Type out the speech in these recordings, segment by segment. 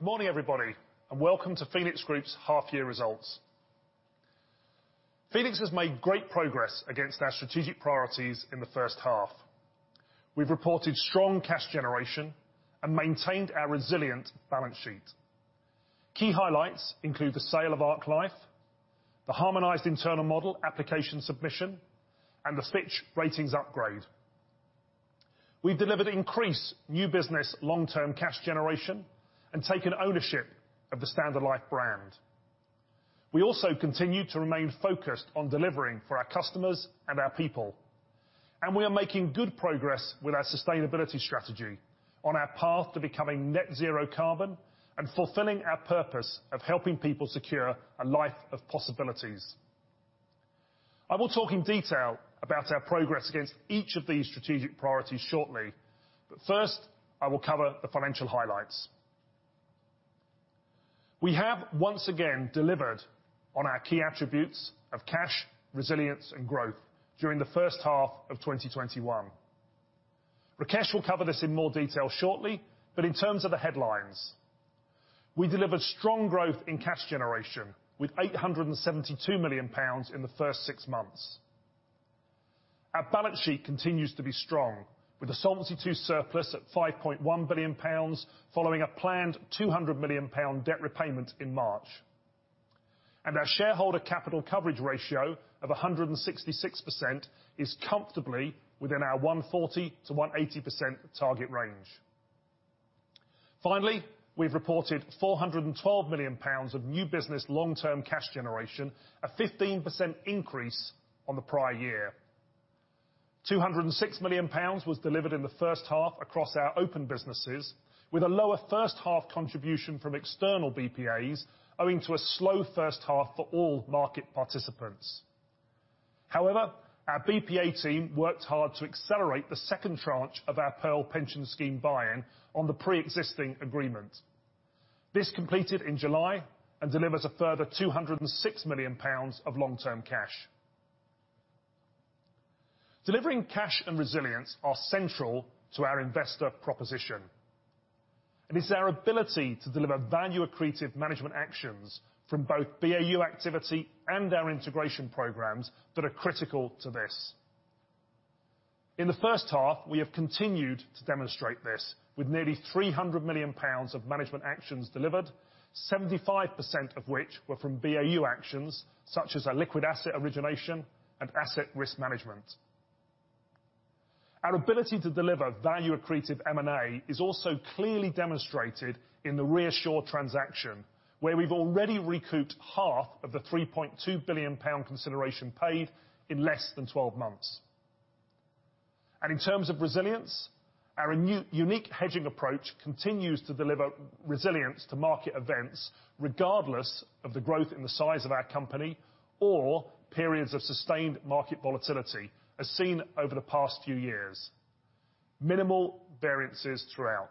Good morning, everybody, and welcome to Phoenix Group's Half Year Results. Phoenix has made great progress against our strategic priorities in the first half. We've reported strong cash generation and maintained our resilient balance sheet. Key highlights include the sale of Ark Life, the harmonized internal model application submission, and the Fitch Ratings upgrade. We've delivered increased new business long-term cash generation and taken ownership of the Standard Life brand. We also continue to remain focused on delivering for our customers and our people, and we are making good progress with our sustainability strategy on our path to becoming net zero carbon and fulfilling our purpose of helping people secure a life of possibilities. I will talk in detail about our progress against each of these strategic priorities shortly, but first, I will cover the financial highlights. We have once again delivered on our key attributes of cash, resilience, and growth during the first half of 2021. Rakesh will cover this in more detail shortly. In terms of the headlines, we delivered strong growth in cash generation with 872 million pounds in the first six months. Our balance sheet continues to be strong, with a Solvency II surplus at 5.1 billion pounds, following a planned 200 million pound debt repayment in March. Our shareholder capital coverage ratio of 166% is comfortably within our 140%-180% target range. Finally, we've reported 412 million pounds of new business long-term cash generation, a 15% increase on the prior year. 206 million pounds was delivered in the first half across our open businesses with a lower first half contribution from external BPAs owing to a slow first half for all market participants. However, our BPA team worked hard to accelerate the second tranche of our Pearl Pension Scheme buy-in on the preexisting agreement. This completed in July and delivers a further 206 million pounds of long-term cash. Delivering cash and resilience are central to our investor proposition, and it's our ability to deliver value-accretive management actions from both BAU activity and our integration programs that are critical to this. In the first half, we have continued to demonstrate this with nearly 300 million pounds of management actions delivered, 75% of which were from BAU actions such as our liquid asset origination and asset risk management. Our ability to deliver value-accretive M&A is also clearly demonstrated in the ReAssure transaction, where we've already recouped half of the 3.2 billion pound consideration paid in less than 12 months. In terms of resilience, our unique hedging approach continues to deliver resilience to market events, regardless of the growth in the size of our company or periods of sustained market volatility as seen over the past few years. Minimal variances throughout.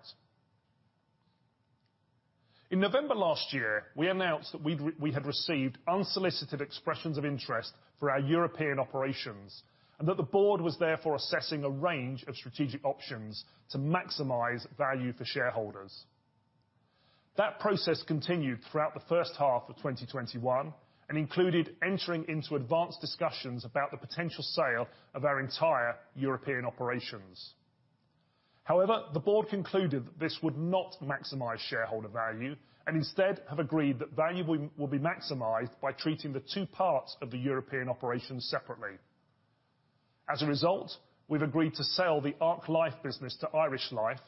In November last year, we announced that we had received unsolicited expressions of interest for our European operations, and that the board was therefore assessing a range of strategic options to maximize value for shareholders. That process continued throughout the first half of 2021 and included entering into advanced discussions about the potential sale of our entire European operations. The board concluded that this would not maximize shareholder value and instead have agreed that value will be maximized by treating the two parts of the European operations separately. As a result, we've agreed to sell the Ark Life business to Irish Life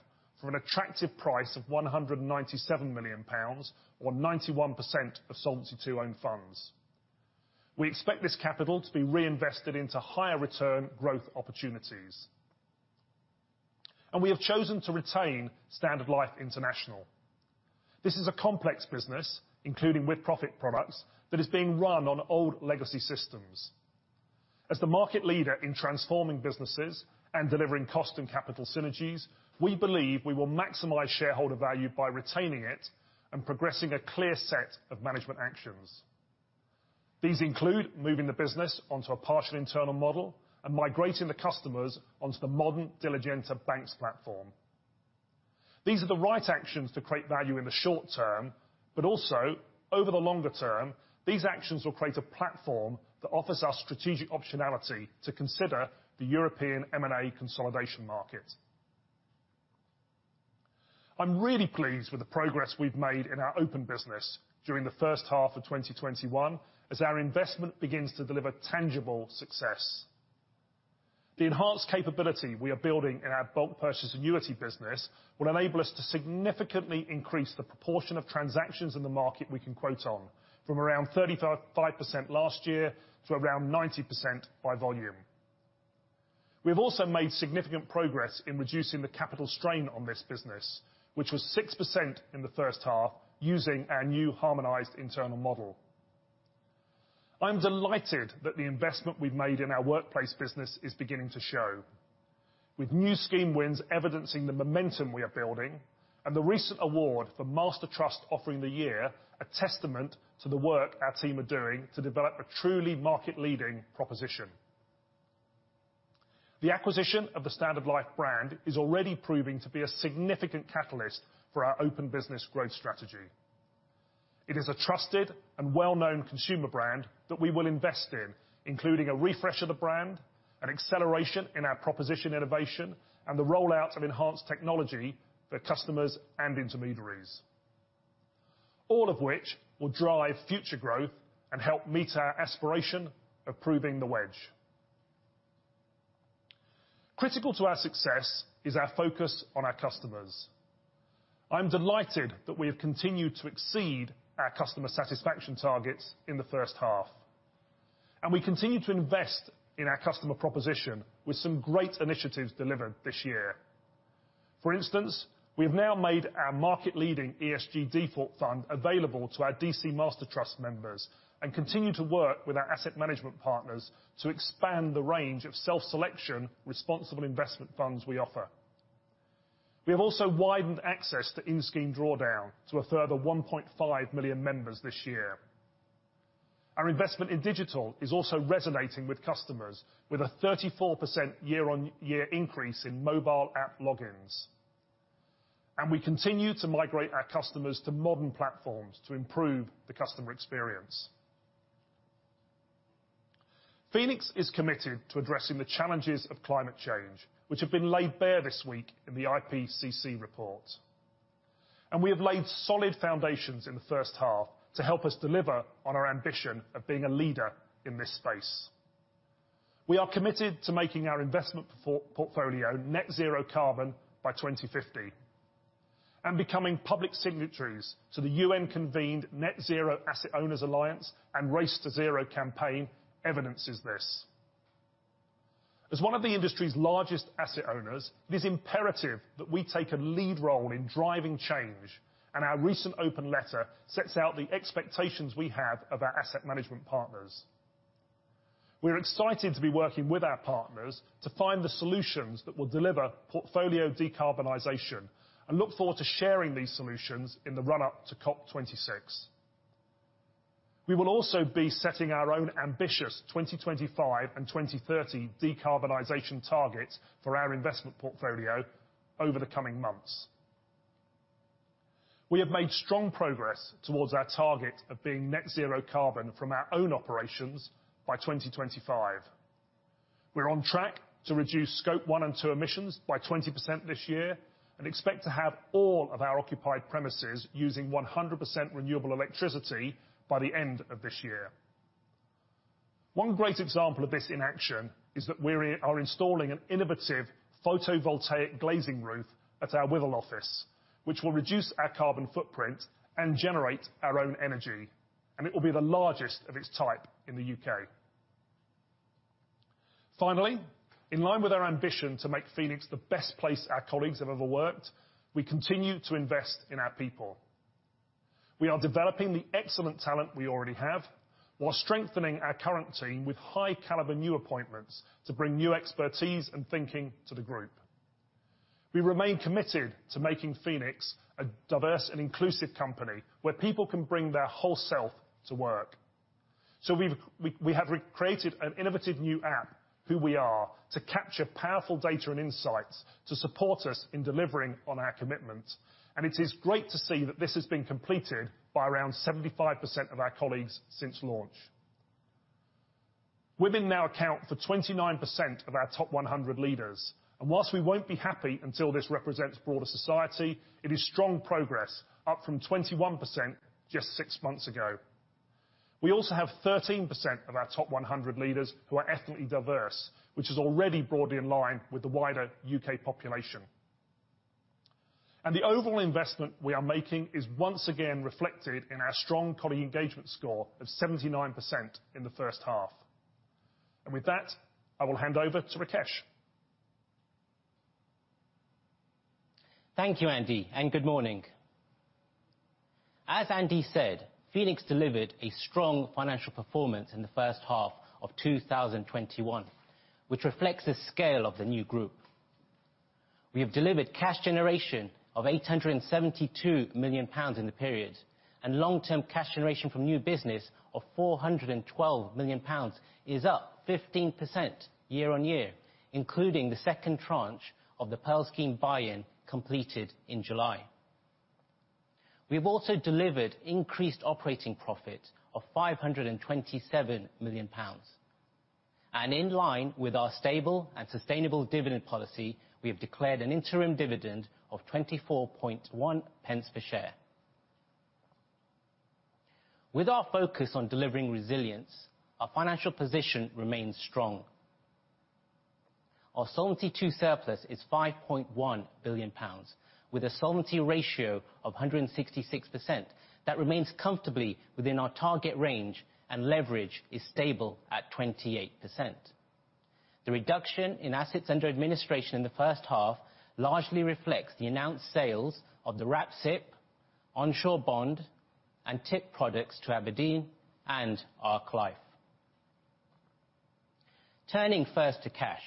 for an attractive price of 197 million pounds or 91% of Solvency II own funds. We expect this capital to be reinvested into higher return growth opportunities. We have chosen to retain Standard Life International. This is a complex business, including with-profit products, that is being run on old legacy systems. As the market leader in transforming businesses and delivering cost and capital synergies, we believe we will maximize shareholder value by retaining it and progressing a clear set of management actions. These include moving the business onto a partial internal model and migrating the customers onto the modern Diligenta BaNCS platform. These are the right actions to create value in the short term, but also over the longer term, these actions will create a platform that offers us strategic optionality to consider the European M&A consolidation market. I'm really pleased with the progress we've made in our open business during the first half of 2021 as our investment begins to deliver tangible success. The enhanced capability we are building in our bulk purchase annuity business will enable us to significantly increase the proportion of transactions in the market we can quote on, from around 35% last year to around 90% by volume. We have also made significant progress in reducing the capital strain on this business, which was 6% in the first half using our new harmonized internal model. I am delighted that the investment we've made in our workplace business is beginning to show. With new scheme wins evidencing the momentum we are building and the recent award for Master Trust Offering of the Year, a testament to the work our team are doing to develop a truly market-leading proposition. The acquisition of the Standard Life brand is already proving to be a significant catalyst for our open business growth strategy. It is a trusted and well-known consumer brand that we will invest in, including a refresh of the brand, an acceleration in our proposition innovation, and the rollout of enhanced technology for customers and intermediaries. All of which will drive future growth and help meet our aspiration of proving the wedge. Critical to our success is our focus on our customers. I'm delighted that we have continued to exceed our customer satisfaction targets in the first half. We continue to invest in our customer proposition with some great initiatives delivered this year. For instance, we have now made our market-leading ESG default fund available to our DC Master Trust members. Continue to work with our asset management partners to expand the range of self-selection responsible investment funds we offer. We have also widened access to in-scheme drawdown to a further 1.5 million members this year. Our investment in digital is also resonating with customers, with a 34% year-on-year increase in mobile app logins. We continue to migrate our customers to modern platforms to improve the customer experience. Phoenix is committed to addressing the challenges of climate change, which have been laid bare this week in the IPCC report. We have laid solid foundations in the first half to help us deliver on our ambition of being a leader in this space. We are committed to making our investment portfolio net-zero carbon by 2050, becoming public signatories to the UN-convened Net-Zero Asset Owner Alliance and Race to Zero campaign evidence this. As one of the industry's largest asset owners, it is imperative that we take a lead role in driving change, our recent open letter sets out the expectations we have of our asset management partners. We're excited to be working with our partners to find the solutions that will deliver portfolio decarbonization, look forward to sharing these solutions in the run-up to COP26. We will also be setting our own ambitious 2025 and 2030 decarbonization targets for our investment portfolio over the coming months. We have made strong progress towards our target of being net-zero carbon from our own operations by 2025. We're on track to reduce scope 1 and scope 2 emissions by 20% this year, expect to have all of our occupied premises using 100% renewable electricity by the end of this year. One great example of this in action is that we are installing an innovative photovoltaic glazing roof at our Wythall office, which will reduce our carbon footprint and generate our own energy, it will be the largest of its type in the U.K. Finally, in line with our ambition to make Phoenix the best place our colleagues have ever worked, we continue to invest in our people. We are developing the excellent talent we already have while strengthening our current team with high-caliber new appointments to bring new expertise and thinking to the Group. We remain committed to making Phoenix a diverse and inclusive company where people can bring their whole self to work. We have created an innovative new app, Who We Are, to capture powerful data and insights to support us in delivering on our commitment, and it is great to see that this has been completed by around 75% of our colleagues since launch. Women now account for 29% of our top 100 leaders. Whilst we won't be happy until this represents broader society, it is strong progress, up from 21% just six months ago. We also have 13% of our top 100 leaders who are ethnically diverse, which is already broadly in line with the wider U.K. population. The overall investment we are making is once again reflected in our strong colleague engagement score of 79% in the first half. With that, I will hand over to Rakesh. Thank you, Andy. Good morning. As Andy said, Phoenix delivered a strong financial performance in the first half of 2021, which reflects the scale of the new group. We have delivered cash generation of 872 million pounds in the period, and long-term cash generation from new business of 412 million pounds is up 15% year-on-year, including the second tranche of the Pearl Pension Scheme buy-in completed in July. We've also delivered increased operating profit of 527 million pounds. In line with our stable and sustainable dividend policy, we have declared an interim dividend of 0.241 per share. With our focus on delivering resilience, our financial position remains strong. Our Solvency II surplus is 5.1 billion pounds, with a solvency ratio of 166%. That remains comfortably within our target range, and leverage is stable at 28%. The reduction in assets under administration in the first half largely reflects the announced sales of the Wrap SIPP, onshore bond, and TIP products to abrdn and Ark Life. Turning first to cash.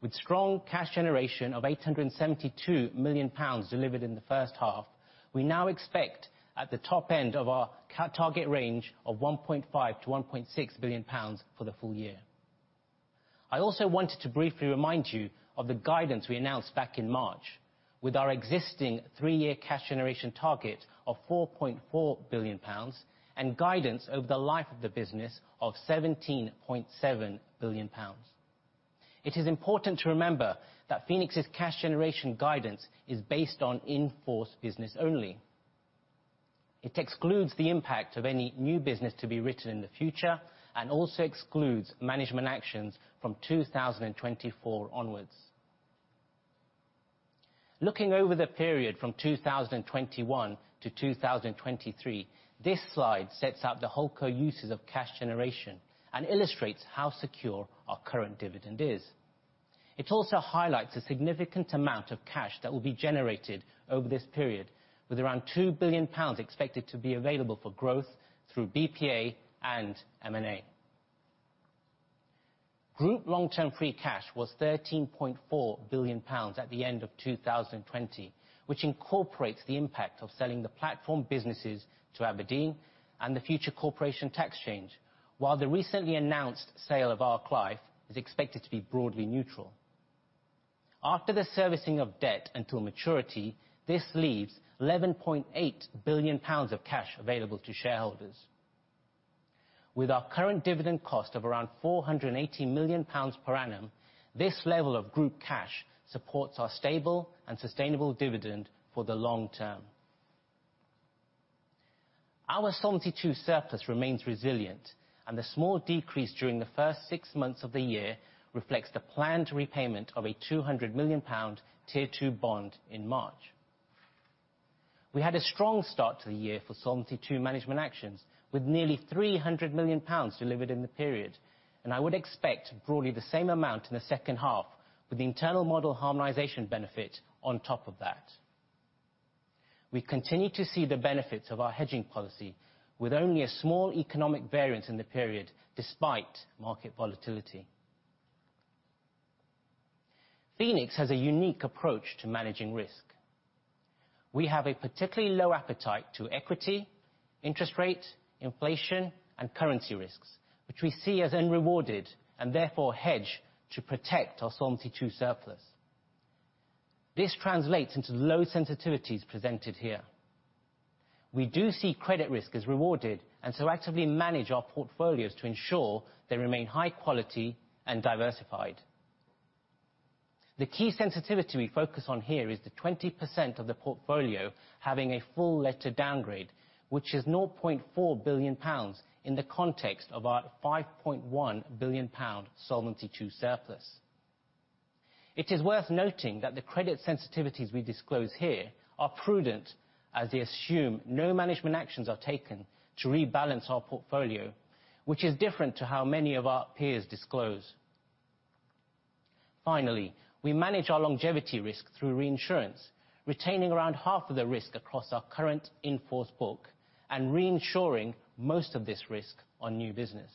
With strong cash generation of 872 million pounds delivered in the first half, we now expect at the top end of our target range of 1.5 billion-1.6 billion pounds for the full year. I also wanted to briefly remind you of the guidance we announced back in March, with our existing three-year cash generation target of 4.4 billion pounds and guidance over the life of the business of 17.7 billion pounds. It is important to remember that Phoenix's cash generation guidance is based on in-force business only. Also excludes the impact of any new business to be written in the future, and also excludes management actions from 2024 onwards. Looking over the period from 2021 to 2023, this slide sets out the whole co-uses of cash generation and illustrates how secure our current dividend is. It also highlights a significant amount of cash that will be generated over this period, with around 2 billion pounds expected to be available for growth through BPA and M&A. Group long-term free cash was 13.4 billion pounds at the end of 2020, which incorporates the impact of selling the platform businesses to abrdn and the future corporation tax change. While the recently announced sale of Ark Life is expected to be broadly neutral. After the servicing of debt until maturity, this leaves 11.8 billion pounds of cash available to shareholders. With our current dividend cost of around 480 million pounds per annum, this level of group cash supports our stable and sustainable dividend for the long term. Our Solvency II surplus remains resilient, and the small decrease during the first six months of the year reflects the planned repayment of a 200 million pound Tier 2 bond in March. We had a strong start to the year for Solvency II management actions, with nearly 300 million pounds delivered in the period, and I would expect broadly the same amount in the second half with the internal model harmonization benefit on top of that. We continue to see the benefits of our hedging policy, with only a small economic variance in the period despite market volatility. Phoenix has a unique approach to managing risk. We have a particularly low appetite to equity, interest rate, inflation, and currency risks, which we see as unrewarded and therefore hedge to protect our Solvency II surplus. This translates into the low sensitivities presented here. We do see credit risk as rewarded and so actively manage our portfolios to ensure they remain high quality and diversified. The key sensitivity we focus on here is the 20% of the portfolio having a full letter downgrade, which is 0.4 billion pounds in the context of our 5.1 billion pound Solvency II surplus. It is worth noting that the credit sensitivities we disclose here are prudent, as they assume no management actions are taken to rebalance our portfolio, which is different to how many of our peers disclose. Finally, we manage our longevity risk through reinsurance, retaining around half of the risk across our current in-force book and reinsuring most of this risk on new business.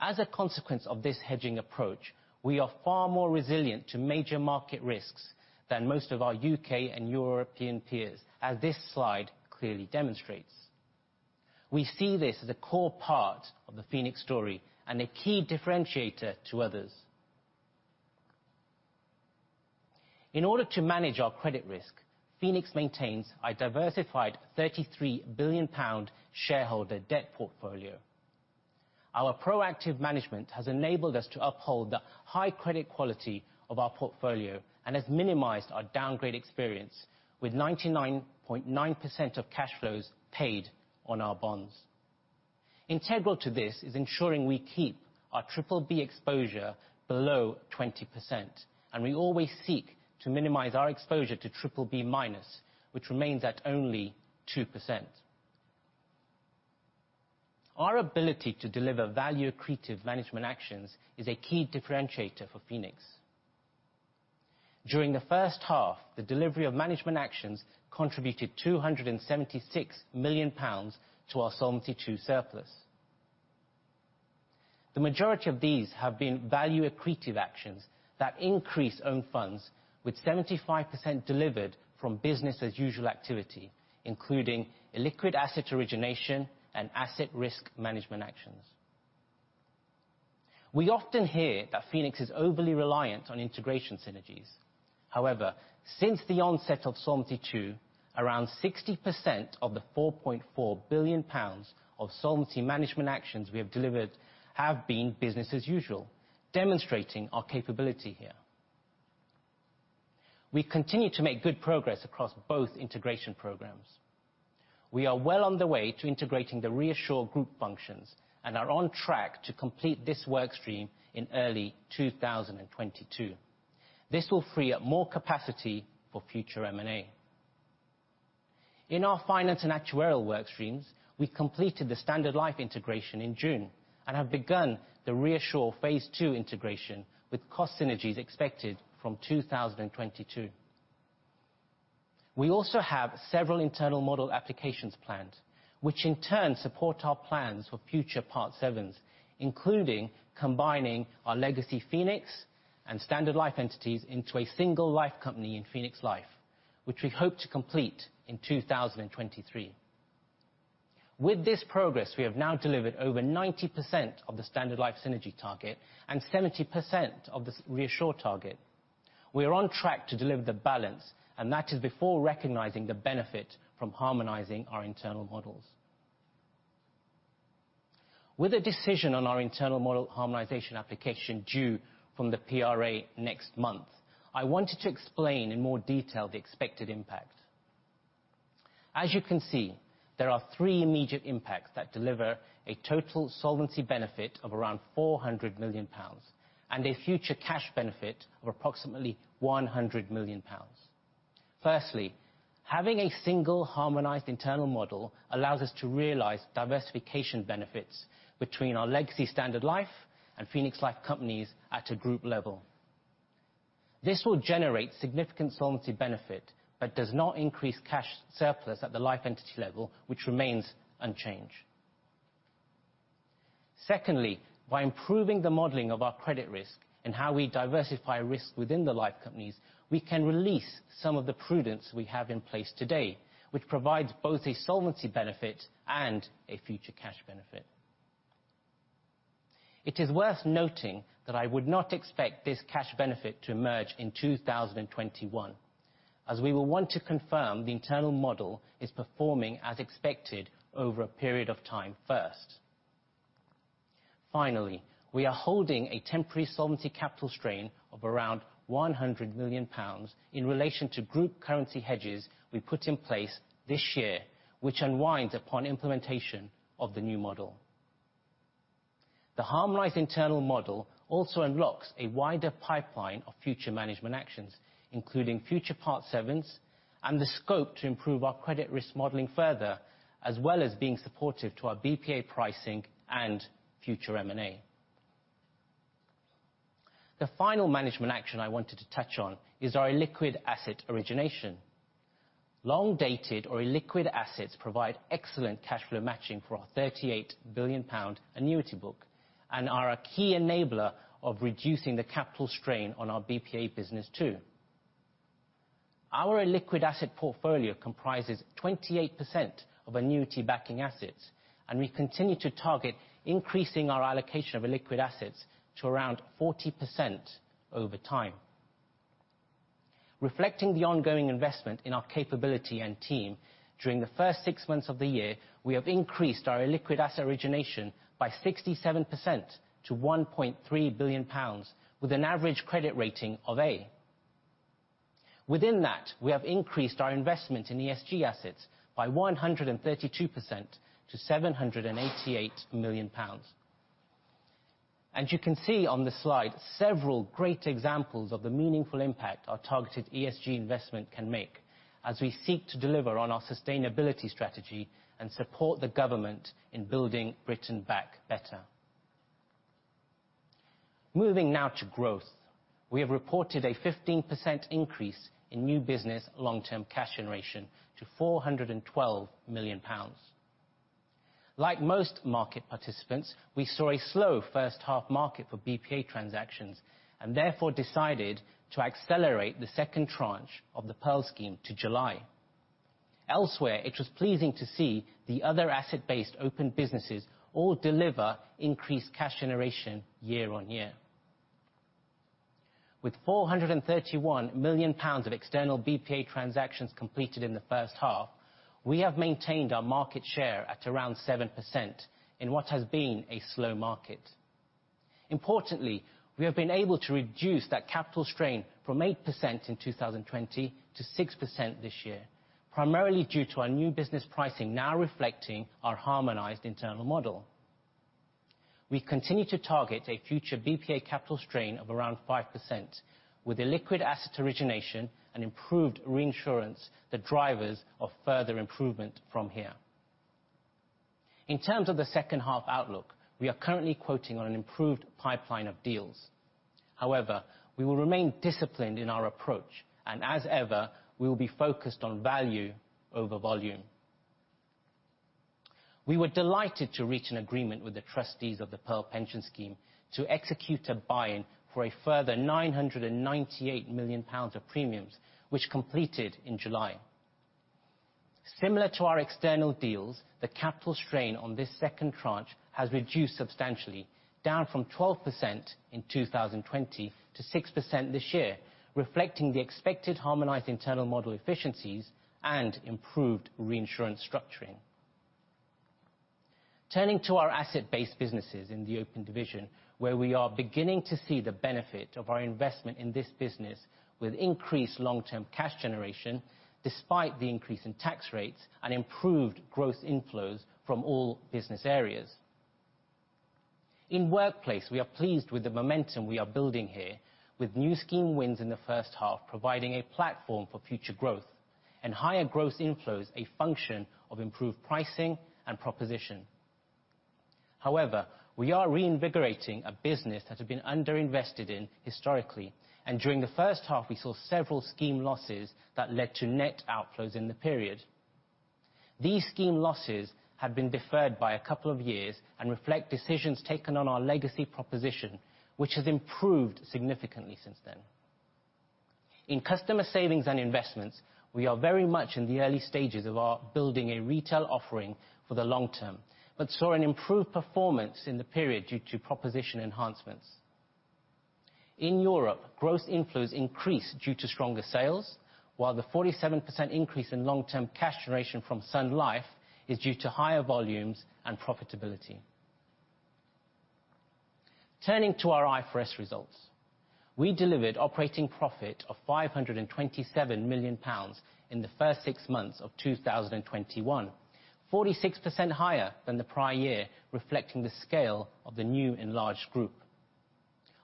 As a consequence of this hedging approach, we are far more resilient to major market risks than most of our U.K. and European peers, as this slide clearly demonstrates. We see this as a core part of the Phoenix story and a key differentiator to others. In order to manage our credit risk, Phoenix maintains a diversified 33 billion pound shareholder debt portfolio. Our proactive management has enabled us to uphold the high credit quality of our portfolio and has minimized our downgrade experience with 99.9% of cash flows paid on our bonds. Integral to this is ensuring we keep our Triple B exposure below 20%, and we always seek to minimize our exposure to Triple B minus, which remains at only 2%. Our ability to deliver value-accretive management actions is a key differentiator for Phoenix. During the first half, the delivery of management actions contributed 276 million pounds to our Solvency II surplus. The majority of these have been value-accretive actions that increase own funds with 75% delivered from business as usual activity, including illiquid asset origination and asset risk management actions. We often hear that Phoenix is overly reliant on integration synergies. Since the onset of Solvency II, around 60% of the 4.4 billion pounds of Solvency management actions we have delivered have been business as usual, demonstrating our capability here. We continue to make good progress across both integration programs. We are well on the way to integrating the ReAssure group functions and are on track to complete this work stream in early 2022. This will free up more capacity for future M&A. In our finance and actuarial work streams, we completed the Standard Life integration in June and have begun the ReAssure phase II integration with cost synergies expected from 2022. We also have several internal model applications planned, which in turn support our plans for future Part VIIs, including combining our legacy Phoenix and Standard Life entities into a single life company in Phoenix Life, which we hope to complete in 2023. With this progress, we have now delivered over 90% of the Standard Life synergy target and 70% of the ReAssure target. We are on track to deliver the balance, and that is before recognizing the benefit from harmonizing our internal models. With a decision on our internal model harmonization application due from the PRA next month, I wanted to explain in more detail the expected impact. As you can see, there are three immediate impacts that deliver a total solvency benefit of around 400 million pounds and a future cash benefit of approximately 100 million pounds. Firstly, having a single harmonized internal model allows us to realize diversification benefits between our legacy Standard Life and Phoenix Life companies at a group level. This will generate significant solvency benefit but does not increase cash surplus at the life entity level, which remains unchanged. Secondly, by improving the modeling of our credit risk and how we diversify risk within the life companies, we can release some of the prudence we have in place today, which provides both a solvency benefit and a future cash benefit. It is worth noting that I would not expect this cash benefit to emerge in 2021, as we will want to confirm the internal model is performing as expected over a period of time first. Finally, we are holding a temporary solvency capital strain of around 100 million pounds in relation to group currency hedges we put in place this year, which unwind upon implementation of the new model. The harmonized internal model also unlocks a wider pipeline of future management actions, including future Part VIIs and the scope to improve our credit risk modeling further, as well as being supportive to our BPA pricing and future M&A. The final management action I wanted to touch on is our illiquid asset origination. Long-dated or illiquid assets provide excellent cash flow matching for our 38 billion pound annuity book, and are a key enabler of reducing the capital strain on our BPA business, too. Our illiquid asset portfolio comprises 28% of annuity backing assets, and we continue to target increasing our allocation of illiquid assets to around 40% over time. Reflecting the ongoing investment in our capability and team, during the first six months of the year, we have increased our illiquid asset origination by 67% to 1.3 billion pounds, with an average credit rating of A. Within that, we have increased our investment in ESG assets by 132% to 788 million pounds. As you can see on this slide, several great examples of the meaningful impact our targeted ESG investment can make as we seek to deliver on our sustainability strategy and support the government in building Britain back better. Moving now to growth. We have reported a 15% increase in new business long-term cash generation to 412 million pounds. Like most market participants, we saw a slow first half market for BPA transactions and therefore decided to accelerate the second tranche of the Pearl scheme to July. Elsewhere, it was pleasing to see the other asset-based open businesses all deliver increased cash generation year on year. With 431 million pounds of external BPA transactions completed in the first half, we have maintained our market share at around 7% in what has been a slow market. Importantly, we have been able to reduce that capital strain from 8% in 2020 to 6% this year, primarily due to our new business pricing now reflecting our harmonized internal model. We continue to target a future BPA capital strain of around 5%, with illiquid asset origination and improved reinsurance the drivers of further improvement from here. In terms of the second half outlook, we are currently quoting on an improved pipeline of deals. However, we will remain disciplined in our approach, and as ever, we will be focused on value over volume. We were delighted to reach an agreement with the trustees of the Pearl Pension Scheme to execute a buy-in for a further 998 million pounds of premiums, which completed in July. Similar to our external deals, the capital strain on this second tranche has reduced substantially, down from 12% in 2020 to 6% this year, reflecting the expected harmonized internal model efficiencies and improved reinsurance structuring. Turning to our asset-based businesses in the open division, where we are beginning to see the benefit of our investment in this business, with increased long-term cash generation, despite the increase in tax rates and improved growth inflows from all business areas. In Workplace, we are pleased with the momentum we are building here, with new scheme wins in the first half providing a platform for future growth and higher growth inflows a function of improved pricing and proposition. However, we are reinvigorating a business that had been under-invested in historically, and during the first half we saw several scheme losses that led to net outflows in the period. These scheme losses have been deferred by a couple of years and reflect decisions taken on our legacy proposition, which has improved significantly since then. In Customer Savings and Investments, we are very much in the early stages of our building a retail offering for the long term but saw an improved performance in the period due to proposition enhancements. In Europe, gross inflows increased due to stronger sales, while the 47% increase in long-term cash generation from SunLife is due to higher volumes and profitability. Turning to our IFRS results. We delivered operating profit of 527 million pounds in the first six months of 2021, 46% higher than the prior year, reflecting the scale of the new enlarged group.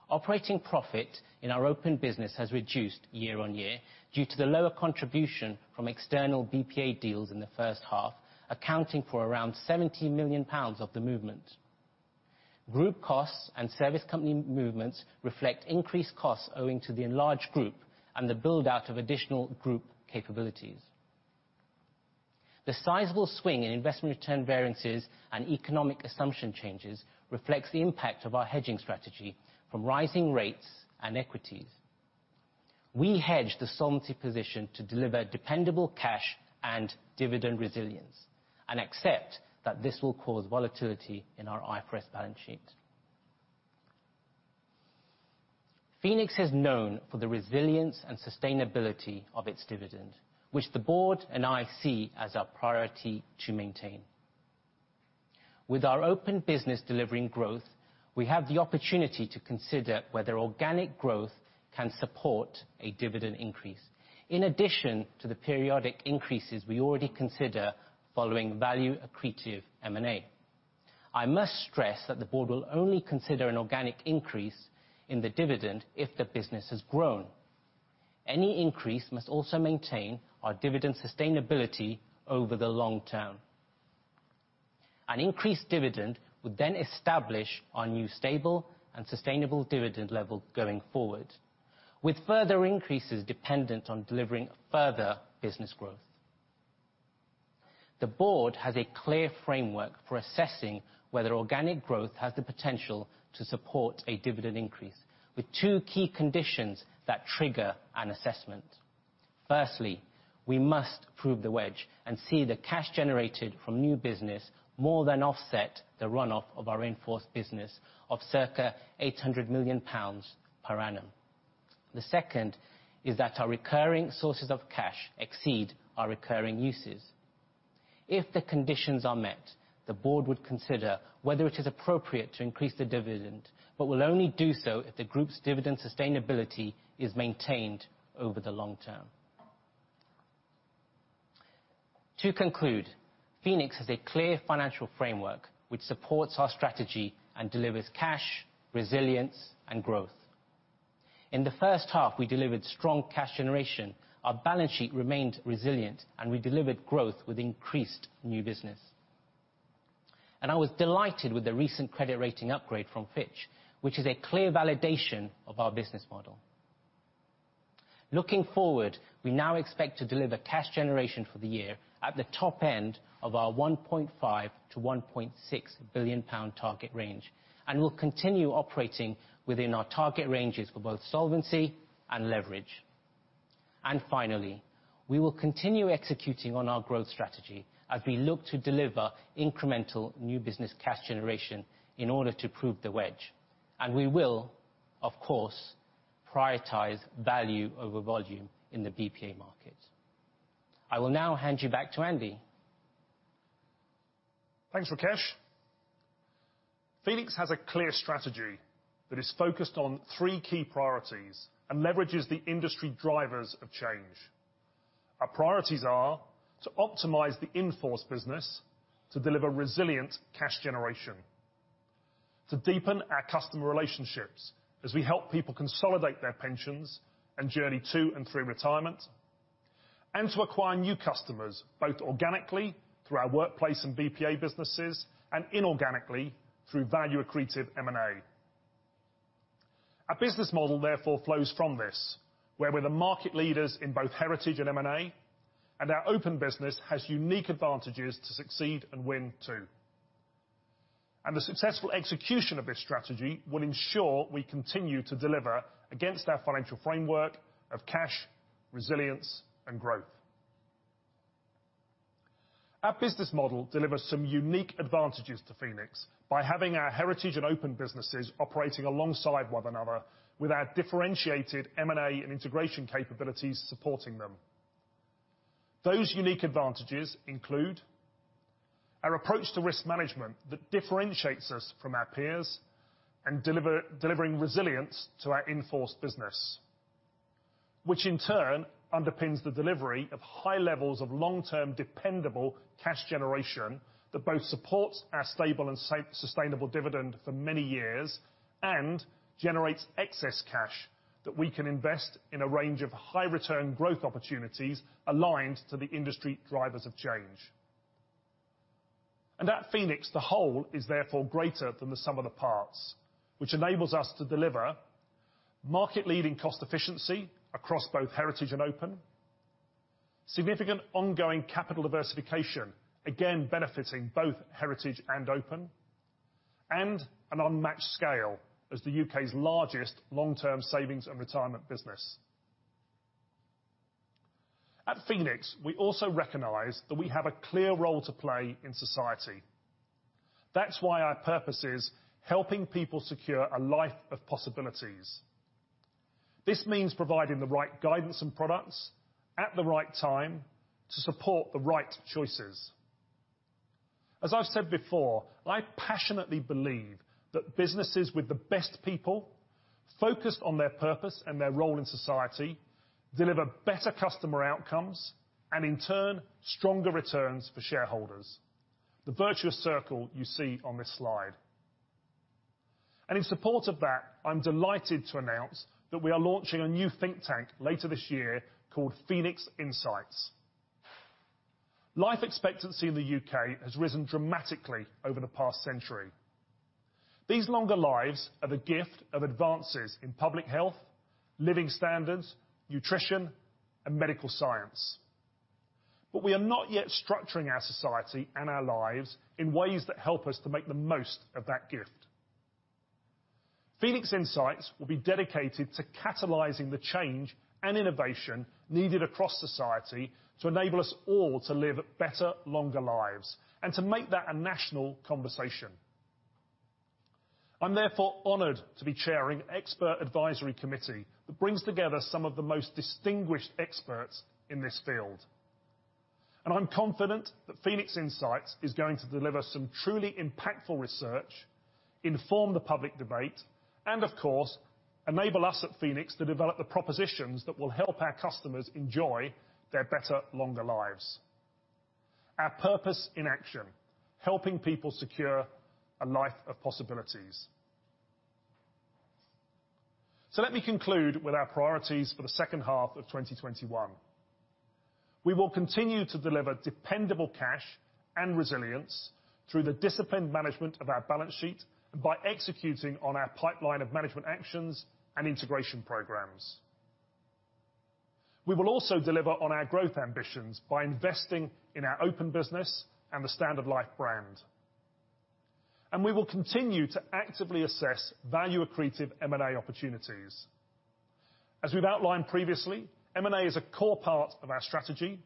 Operating profit in our Open business has reduced year-on-year due to the lower contribution from external BPA deals in the first half, accounting for around 70 million pounds of the movement. Group costs and service company movements reflect increased costs owing to the enlarged group and the build-out of additional group capabilities. The sizable swing in investment return variances and economic assumption changes reflects the impact of our hedging strategy from rising rates and equities. We hedge the solvency position to deliver dependable cash and dividend resilience and accept that this will cause volatility in our IFRS balance sheet. Phoenix is known for the resilience and sustainability of its dividend, which the board and I see as our priority to maintain. With our Open business delivering growth, we have the opportunity to consider whether organic growth can support a dividend increase, in addition to the periodic increases we already consider following value accretive M&A. I must stress that the board will only consider an organic increase in the dividend if the business has grown. Any increase must also maintain our dividend sustainability over the long term. An increased dividend would then establish our new stable and sustainable dividend level going forward, with further increases dependent on delivering further business growth. The board has a clear framework for assessing whether organic growth has the potential to support a dividend increase, with two key conditions that trigger an assessment. Firstly, we must prove the wedge and see the cash generated from new business more than offset the run-off of our in-force business of circa 800 million pounds per annum. The second is that our recurring sources of cash exceed our recurring uses. If the conditions are met, the board would consider whether it is appropriate to increase the dividend, but will only do so if the group's dividend sustainability is maintained over the long term. To conclude, Phoenix has a clear financial framework which supports our strategy and delivers cash, resilience, and growth. In the first half, we delivered strong cash generation, our balance sheet remained resilient, and we delivered growth with increased new business. I was delighted with the recent credit rating upgrade from Fitch, which is a clear validation of our business model. Looking forward, we now expect to deliver cash generation for the year at the top end of our 1.5 billion-1.6 billion pound target range, and will continue operating within our target ranges for both solvency and leverage. Finally, we will continue executing on our growth strategy as we look to deliver incremental new business cash generation in order to prove the wedge. We will, of course, prioritize value over volume in the BPA market. I will now hand you back to Andy. Thanks, Rakesh. Phoenix has a clear strategy that is focused on three key priorities and leverages the industry drivers of change. Our priorities are to optimize the in-force business to deliver resilient cash generation, to deepen our customer relationships as we help people consolidate their pensions and journey to and through retirement, and to acquire new customers, both organically through our workplace and BPA businesses, and inorganically through value accretive M&A. Our business model therefore flows from this, where we're the market leaders in both heritage and M&A, and our Open Business has unique advantages to succeed and win, too. The successful execution of this strategy will ensure we continue to deliver against our financial framework of cash, resilience, and growth. Our business model delivers some unique advantages to Phoenix by having our Heritage and Open businesses operating alongside one another with our differentiated M&A and integration capabilities supporting them. Those unique advantages include our approach to risk management that differentiates us from our peers and delivering resilience to our in-force business, which in turn underpins the delivery of high levels of long-term, dependable cash generation that both supports our stable and sustainable dividend for many years, and generates excess cash that we can invest in a range of high return growth opportunities aligned to the industry drivers of change. At Phoenix, the whole is therefore greater than the sum of the parts, which enables us to deliver market-leading cost efficiency across both Heritage and Open, significant ongoing capital diversification, again benefiting both Heritage and Open, and an unmatched scale as the U.K.'s largest long-term savings and retirement business. At Phoenix, we also recognize that we have a clear role to play in society. That's why our purpose is helping people secure a life of possibilities. This means providing the right guidance and products at the right time to support the right choices. As I've said before, I passionately believe that businesses with the best people, focused on their purpose and their role in society, deliver better customer outcomes, and in turn, stronger returns for shareholders. The virtuous circle you see on this slide. In support of that, I'm delighted to announce that we are launching a new think tank later this year called Phoenix Insights. Life expectancy in the U.K. has risen dramatically over the past century. These longer lives are the gift of advances in public health, living standards, nutrition, and medical science. We are not yet structuring our society and our lives in ways that help us to make the most of that gift. Phoenix Insights will be dedicated to catalyzing the change and innovation needed across society to enable us all to live better, longer lives, and to make that a national conversation. I'm therefore honored to be chairing expert advisory committee that brings together some of the most distinguished experts in this field. I'm confident that Phoenix Insights is going to deliver some truly impactful research, inform the public debate, and of course, enable us at Phoenix to develop the propositions that will help our customers enjoy their better, longer lives. Our purpose in action, helping people secure a life of possibilities. Let me conclude with our priorities for the second half of 2021. We will continue to deliver dependable cash and resilience through the disciplined management of our balance sheet by executing on our pipeline of management actions and integration programs. We will also deliver on our growth ambitions by investing in our Open business and the Standard Life brand. We will continue to actively assess value-accretive M&A opportunities. As we've outlined previously, M&A is a core part of our strategy.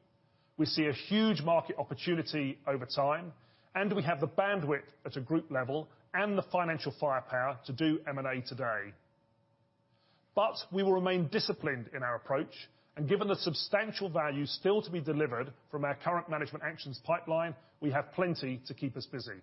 We see a huge market opportunity over time, and we have the bandwidth at a group level and the financial firepower to do M&A today. We will remain disciplined in our approach and given the substantial value still to be delivered from our current management actions pipeline, we have plenty to keep us busy.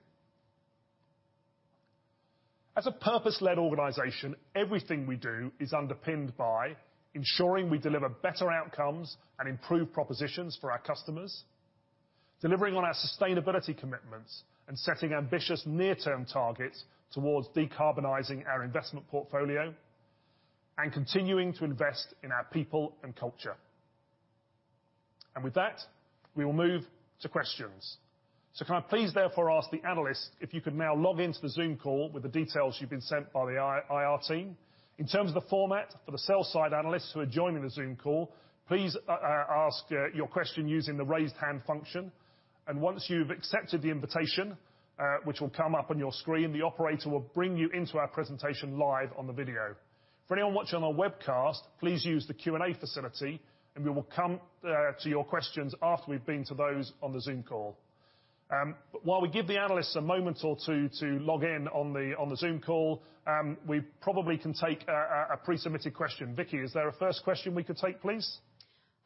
As a purpose-led organization, everything we do is underpinned by ensuring we deliver better outcomes and improve propositions for our customers, delivering on our sustainability commitments and setting ambitious near-term targets towards decarbonizing our investment portfolio, and continuing to invest in our people and culture. With that, we will move to questions. Can I please therefore ask the analysts if you could now log into the Zoom call with the details you've been sent by the IR team. In terms of the format for the sell side analysts who are joining the Zoom call, please ask your question using the raise hand function. Once you've accepted the invitation, which will come up on your screen, the operator will bring you into our presentation live on the video. For anyone watching on our webcast, please use the Q&A facility, and we will come to your questions after we've been to those on the Zoom call. While we give the analysts a moment or two to log in on the Zoom call, we probably can take a pre-submitted question. Vicky, is there a first question we could take, please?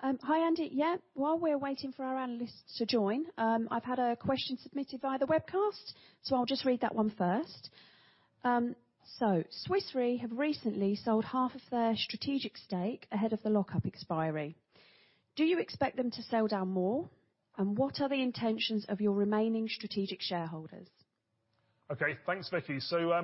Hi, Andy. Yeah. While we're waiting for our analysts to join, I've had a question submitted via the webcast, so I'll just read that one first. Swiss Re have recently sold half of their strategic stake ahead of the lockup expiry. Do you expect them to sell down more? What are the intentions of your remaining strategic shareholders? Okay, thanks, Vicky.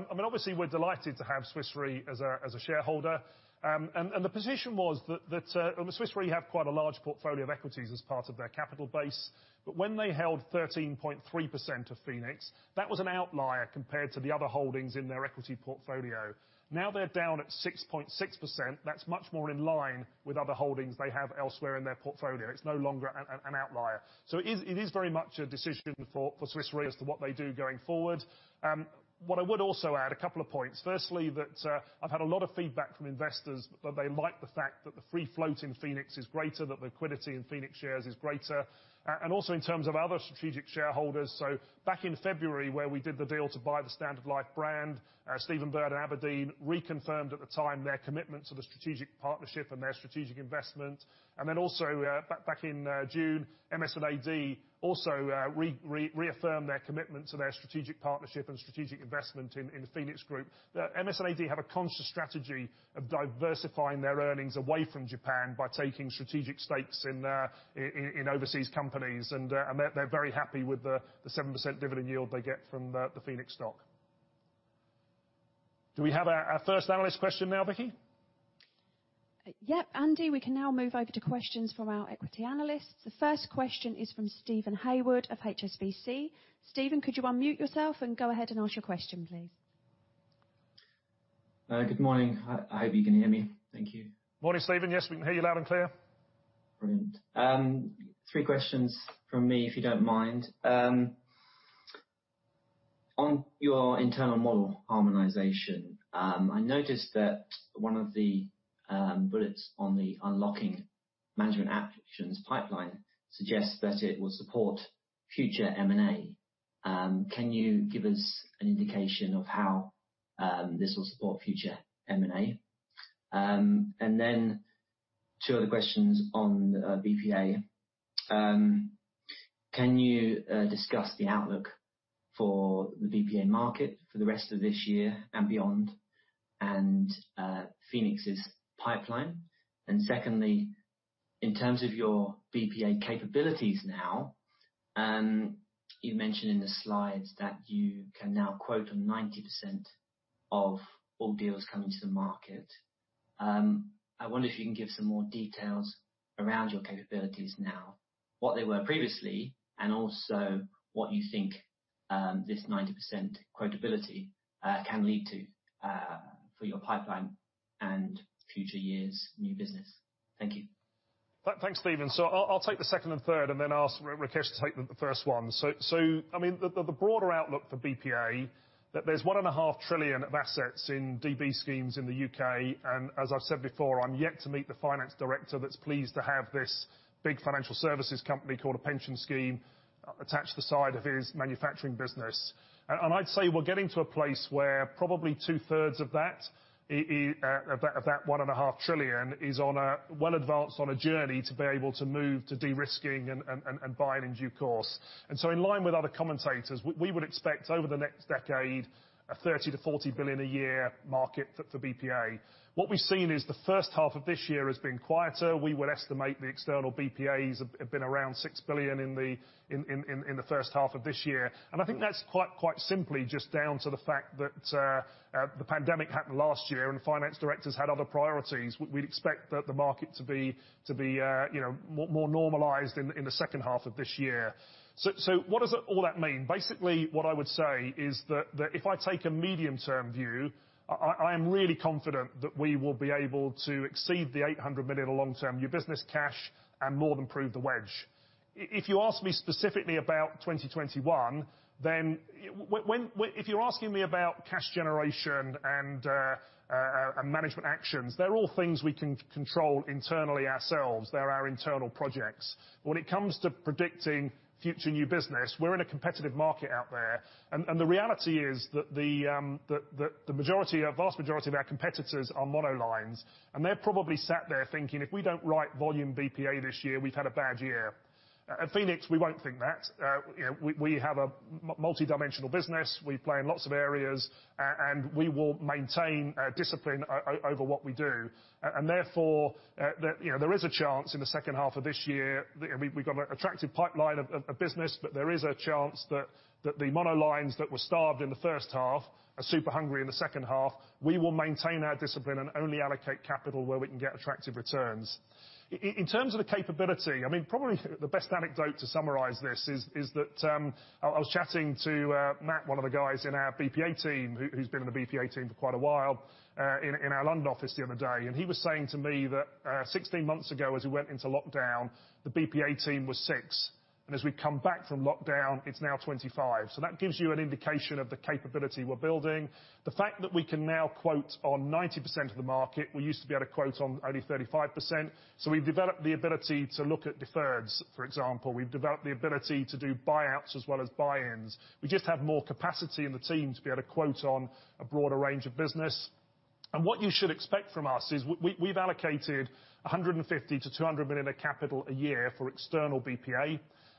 Obviously, we're delighted to have Swiss Re as a shareholder. The position was that Swiss Re have quite a large portfolio of equities as part of their capital base. When they held 13.3% of Phoenix, that was an outlier compared to the other holdings in their equity portfolio. Now they're down at 6.6%. That's much more in line with other holdings they have elsewhere in their portfolio. It's no longer an outlier. It is very much a decision for Swiss Re as to what they do going forward. What I would also add, a couple of points. Firstly, that I've had a lot of feedback from investors that they like the fact that the free float in Phoenix is greater, that liquidity in Phoenix shares is greater. Also, in terms of other strategic shareholders. Back in February, where we did the deal to buy the Standard Life brand, Stephen Bird and abrdn reconfirmed at the time their commitment to the strategic partnership and their strategic investment. Also back in June, MS&AD also reaffirmed their commitment to their strategic partnership and strategic investment in the Phoenix Group. MS&AD have a conscious strategy of diversifying their earnings away from Japan by taking strategic stakes in overseas companies. They're very happy with the 7% dividend yield they get from the Phoenix stock. Do we have our first analyst question now, Vicky? Yep. Andy, we can now move over to questions from our equity analysts. The first question is from Steven Haywood of HSBC. Steven, could you unmute yourself and go ahead and ask your question, please? Good morning. I hope you can hear me. Thank you. Morning, Steven. Yes, we can hear you loud and clear. Three questions from me, if you don't mind. On your internal model harmonization, I noticed that one of the bullets on the unlocking management actions pipeline suggests that it will support future M&A. Can you give us an indication of how this will support future M&A? And then, two other questions on BPA. Can you discuss the outlook for the BPA market for the rest of this year and beyond and Phoenix's pipeline? Secondly, in terms of your BPA capabilities now, you mentioned in the slides that you can now quote on 90% of all deals coming to the market. I wonder if you can give some more details around your capabilities now, what they were previously, and also what you think this 90% quotability can lead to for your pipeline and future years' new business. Thank you. Thanks, Steven. I'll take the second and third and then ask Rakesh to take the first one. The broader outlook for BPA, that there's 1.5 trillion of assets in DB schemes in the U.K., and as I've said before, I'm yet to meet the finance director that's pleased to have this big financial services company called a pension scheme attached to the side of his manufacturing business. I'd say we're getting to a place where probably two-thirds of that 1.5 trillion is well advanced on a journey to be able to move to de-risking and buying in due course. In line with other commentators, we would expect over the next decade, a 30 billion-40 billion a year market for BPA. What we've seen is the first half of this year has been quieter. We would estimate the external BPAs have been around 6 billion in the first half of this year. I think that's quite simply just down to the fact that the pandemic happened last year and finance directors had other priorities. We'd expect the market to be more normalized in the second half of this year. What does all that mean? Basically, what I would say is that if I take a medium term view, I am really confident that we will be able to exceed the 800 million long term new business cash and more than prove the wedge. If you ask me specifically about 2021, then if you're asking me about cash generation and management actions, they're all things we can control internally ourselves. They're our internal projects. When it comes to predicting future new business, we're in a competitive market out there, and the reality is that the vast majority of our competitors are monolines. They're probably sat there thinking, 'If we don't write volume BPA this year, we've had a bad year.' At Phoenix, we won't think that. We have a multidimensional business. We play in lots of areas, and we will maintain discipline over what we do. Therefore, there is a chance in the second half of this year, we've got an attractive pipeline of business, but there is a chance that the monolines that were starved in the first half are super hungry in the second half. We will maintain our discipline and only allocate capital where we can get attractive returns. In terms of the capability, probably the best anecdote to summarize this is that I was chatting to Matt, one of the guys in our BPA team, who's been in the BPA team for quite a while, in our London office the other day. He was saying to me that 16 months ago, as we went into lockdown, the BPA team was six. As we come back from lockdown, it's now 25. That gives you an indication of the capability we're building. The fact that we can now quote on 90% of the market, we used to be able to quote on only 35%. We've developed the ability to look at deferreds, for example. We've developed the ability to do buyouts as well as buy-ins. We just have more capacity in the team to be able to quote on a broader range of business. What you should expect from us is we've allocated 150 million-200 million of capital a year for external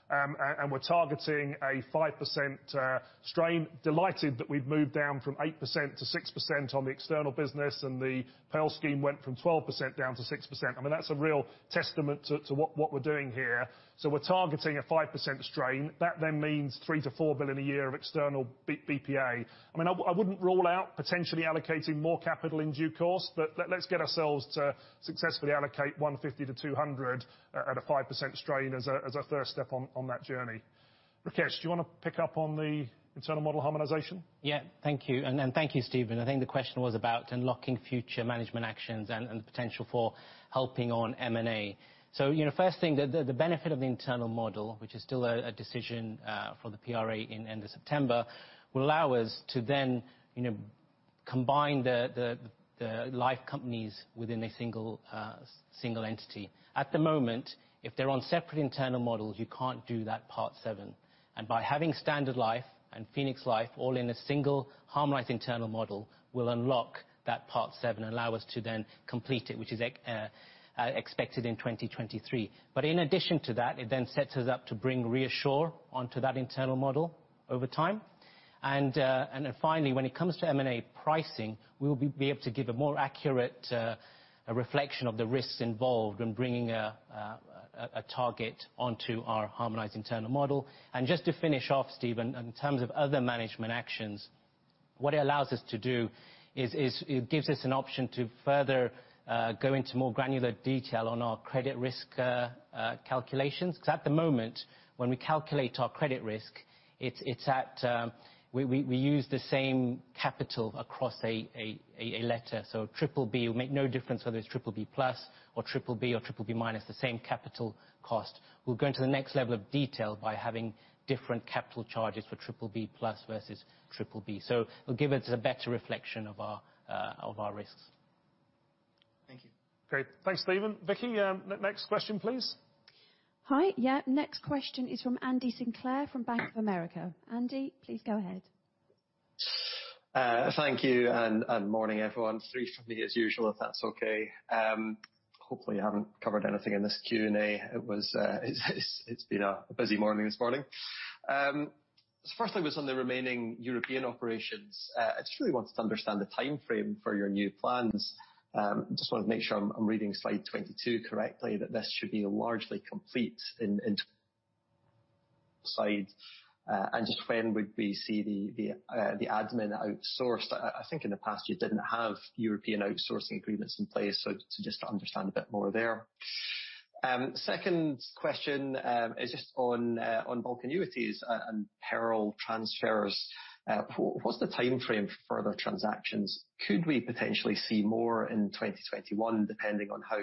BPA. We're targeting a 5% strain. Delighted that we've moved down from 8% to 6% on the external business, and the Pearl scheme went from 12% to 6%. That's a real testament to what we're doing here. We're targeting a 5% strain. That means 3 billion-4 billion a year of external BPA. I wouldn't rule out potentially allocating more capital in due course, but let's get ourselves to successfully allocate 150 million-200 million at a 5% strain as a first step on that journey. Rakesh, do you want to pick up on the internal model harmonization? Yeah. Thank you. Thank you, Steven. I think the question was about unlocking future management actions and the potential for helping on M&A. First thing, the benefit of the internal model, which is still a decision for the PRA in end of September, will allow us to then combine the life companies within a single entity. At the moment, if they're on separate internal models, you can't do that Part VII. By having Standard Life and Phoenix Life all in a single harmonized internal model will unlock that Part VII and allow us to then complete it, which is expected in 2023. In addition to that, it then sets us up to bring ReAssure onto that internal model over time. Finally, when it comes to M&A pricing, we will be able to give a more accurate reflection of the risks involved in bringing a target onto our harmonized internal model. Just to finish off, Steven, in terms of other management actions. What it allows us to do is it gives us an option to further go into more granular detail on our credit risk calculations. At the moment, when we calculate our credit risk, we use the same capital across a letter. Triple B, we make no difference whether it's Triple B plus or Triple B or Triple B minus, the same capital cost. We'll go into the next level of detail by having different capital charges for Triple B plus versus Triple B. It'll give us a better reflection of our risks. Thank you. Great. Thanks, Steven. Vicky, next question, please. Hi, yeah, next question is from Andy Sinclair, from Bank of America. Andy, please go ahead. Thank you. Morning, everyone. Three from me as usual, if that's okay. Hopefully, you haven't covered anything in this Q&A. It's been a busy morning this morning. Firstly, was on the remaining European operations. I just really wanted to understand the timeframe for your new plans. Just want to make sure I'm reading slide 22 correctly, that this should be largely complete in slide. Just when would we see the admin outsourced? I think in the past, you didn't have European outsourcing agreements in place, so just to understand a bit more there. Second question is just on bulk annuities and Pearl transfers. What's the timeframe for further transactions? Could we potentially see more in 2021, depending on how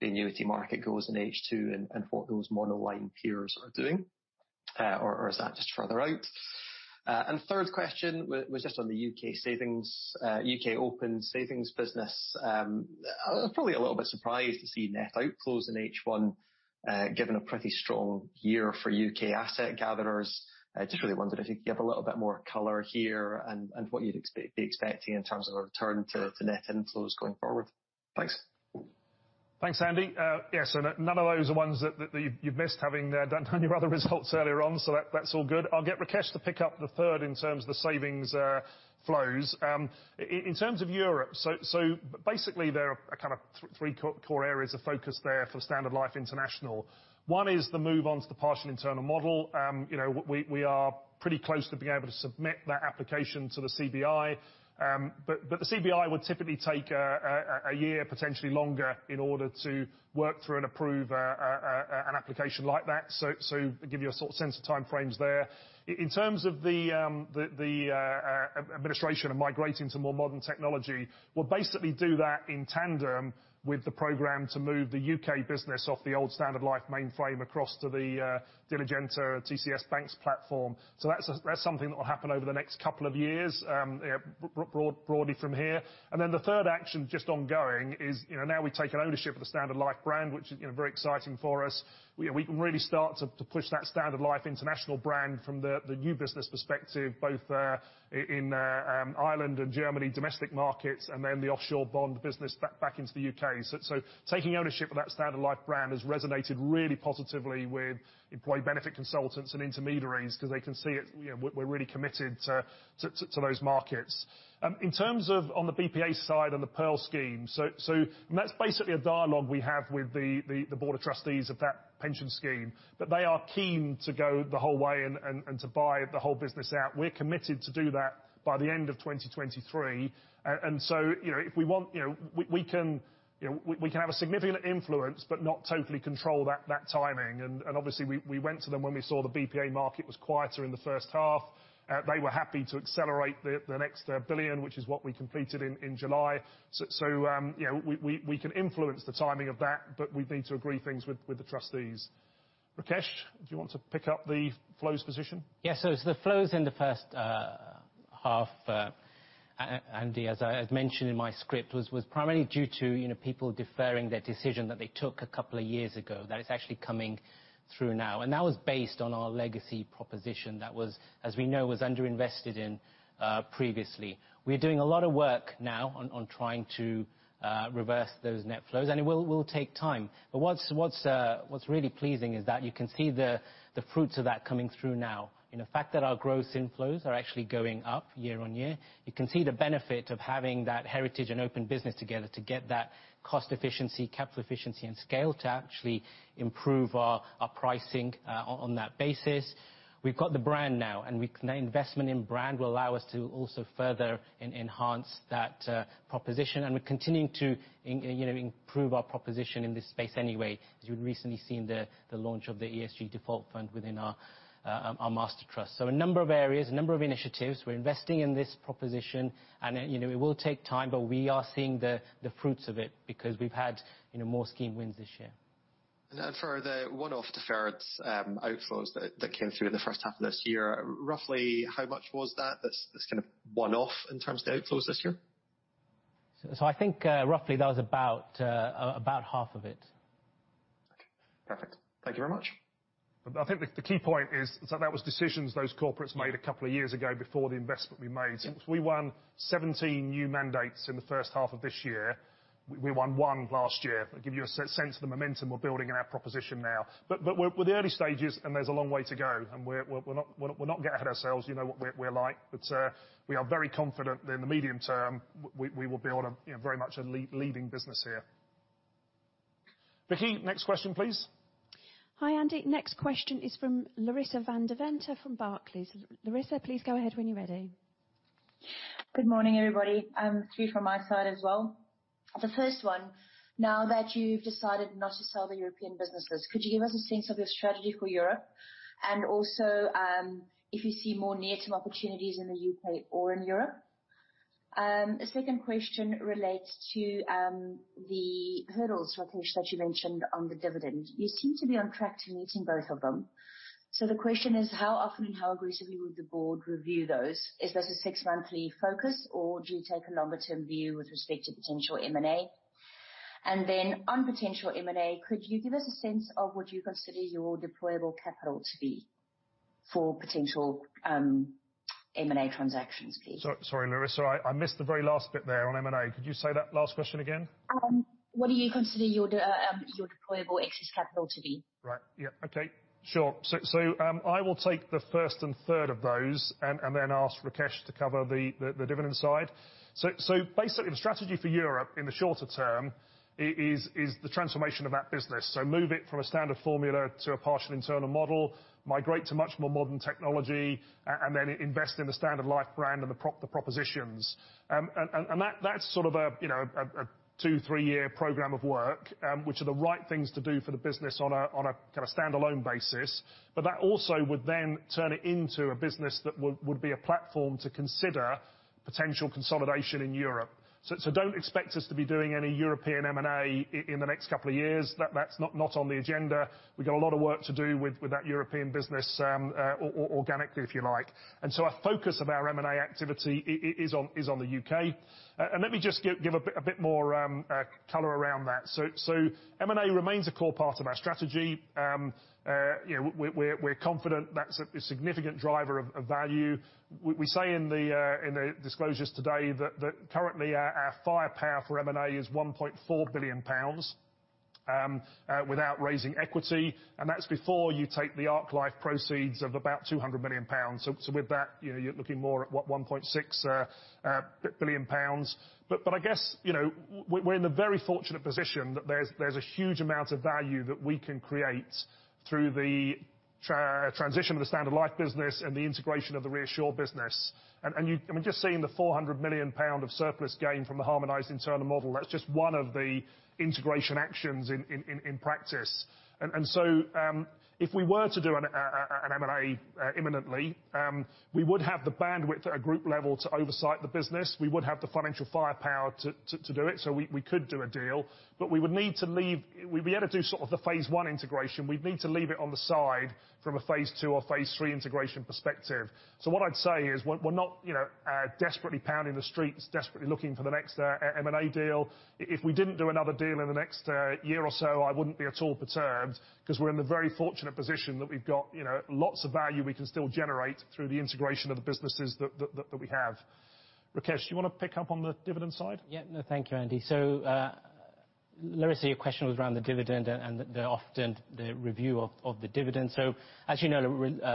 the annuity market goes in H2 and what those monoline peers are doing? Is that just further out? Third question was just on the U.K. Open savings business. I was probably a little bit surprised to see net outflows in H1, given a pretty strong year for U.K. asset gatherers. I just really wondered if you could give a little bit more color here and what you'd be expecting in terms of a return to net inflows going forward. Thanks. Thanks, Andy. None of those are ones that you've missed having done your other results earlier on. That's all good. I'll get Rakesh to pick up the third in terms of the savings flows. In terms of Europe, there are three core areas of focus there for Standard Life International. One is the move on to the partial internal model. We are pretty close to being able to submit that application to the CBI. The CBI would typically take a year, potentially longer, in order to work through and approve an application like that. Give you a sense of time frames there. In terms of the administration and migrating to more modern technology, we'll do that in tandem with the program to move the U.K. business off the old Standard Life mainframe across to the Diligenta TCS BaNCS platform. That's something that will happen over the next couple of years broadly from here. The third action just ongoing is now we've taken ownership of the Standard Life brand, which is very exciting for us. We can really start to push that Standard Life International brand from the new business perspective, both in Ireland and Germany domestic markets, and then the offshore bond business back into the U.K. Taking ownership of that Standard Life brand has resonated really positively with employee benefit consultants and intermediaries because they can see we're really committed to those markets. In terms of on the BPA side and the Pearl scheme, that's basically a dialogue we have with the board of trustees of that pension scheme. They are keen to go the whole way and to buy the whole business out. We're committed to do that by the end of 2023. We can have a significant influence, but not totally control that timing. Obviously, we went to them when we saw the BPA market was quieter in the first half. They were happy to accelerate the next 1 billion, which is what we completed in July. We can influence the timing of that, but we need to agree things with the trustees. Rakesh, do you want to pick up the flows position? Yeah, the flows in the first half, Andy, as I mentioned in my script, was primarily due to people deferring their decision that they took a couple of years ago, that it's actually coming through now. That was based on our legacy proposition that was, as we know, was under-invested in previously. We are doing a lot of work now on trying to reverse those net flows, and it will take time. What's really pleasing is that you can see the fruits of that coming through now. In the fact that our gross inflows are actually going up year-on-year. You can see the benefit of having that heritage and open business together to get that cost efficiency, capital efficiency, and scale to actually improve our pricing on that basis. We've got the brand now, that investment in brand will allow us to also further enhance that proposition. We're continuing to improve our proposition in this space anyway, as you've recently seen the launch of the ESG default fund within our Master Trust. A number of areas, a number of initiatives. We're investing in this proposition, and it will take time, but we are seeing the fruits of it because we've had more scheme wins this year. For the one-off deferred outflows that came through in the first half of this year, roughly how much was that's one-off in terms of the outflows this year? I think roughly that was about half of it. Okay, perfect. Thank you very much. I think the key point is that was decisions those corporates made a couple of years ago before the investment we made. We won 17 new mandates in the first half of this year. We won one last year. That'll give you a sense of the momentum we're building in our proposition now. We're the early stages, and there's a long way to go, and we're not getting ahead of ourselves. You know what we're like. We are very confident that in the medium term, we will build a very much a leading business here. Vicki, next question, please. Hi, Andy. Next question is from Larissa van Deventer from Barclays. Larissa, please go ahead when you're ready. Good morning, everybody. Three from my side as well. The first one, now that you've decided not to sell the European businesses, could you give us a sense of your strategy for Europe? If you see more near-term opportunities in the U.K. or in Europe? Second question relates to the hurdles, Rakesh, that you mentioned on the dividend. You seem to be on track to meeting both of them. The question is, how often and how aggressively will the board review those? Is this a six-monthly focus, or do you take a longer-term view with respect to potential M&A? On potential M&A, could you give us a sense of what you consider your deployable capital to be for potential M&A transactions, please? Sorry, Larissa. I missed the very last bit there on M&A. Could you say that last question again? What do you consider your deployable excess capital to be? Right. Yeah. Okay. Sure. I will take the first and third of those and then ask Rakesh to cover the dividend side. Basically, the strategy for Europe in the shorter term is the transformation of that business. Move it from a Standard Formula to a partial internal model, migrate to much more modern technology, and then invest in the Standard Life brand and the propositions. That's sort of a two-three-year program of work, which are the right things to do for the business on a kind of standalone basis. That also would then turn it into a business that would be a platform to consider potential consolidation in Europe. Don't expect us to be doing any European M&A in the next couple of years. That's not on the agenda. We've got a lot of work to do with that European business organically, if you like. Our focus of our M&A activity is on the U.K. Let me just give a bit more color around that. M&A remains a core part of our strategy. We're confident that's a significant driver of value. We say in the disclosures today that currently our firepower for M&A is 1.4 billion pounds, without raising equity, and that's before you take the Ark Life proceeds of about 200 million pounds. With that, you're looking more at what 1.6 billion pounds. I guess, we're in the very fortunate position that there's a huge amount of value that we can create through the transition of the Standard Life business and the integration of the ReAssure business. I mean, just seeing the 400 million pound of surplus gain from the harmonized internal model, that's just one of the integration actions in practice. If we were to do an M&A imminently, we would have the bandwidth at a group level to oversight the business. We would have the financial firepower to do it, so we could do a deal. We'd be able to do sort of the phase one integration. We'd need to leave it on the side from a phase two or phase three integration perspective. What I'd say is, we're not desperately pounding the streets, desperately looking for the next M&A deal. If we didn't do another deal in the next year or so, I wouldn't be at all perturbed, because we're in the very fortunate position that we've got lots of value we can still generate through the integration of the businesses that we have. Rakesh, do you want to pick up on the dividend side? Thank you, Andy. Larissa, your question was around the dividend and the review of the dividend. As you know,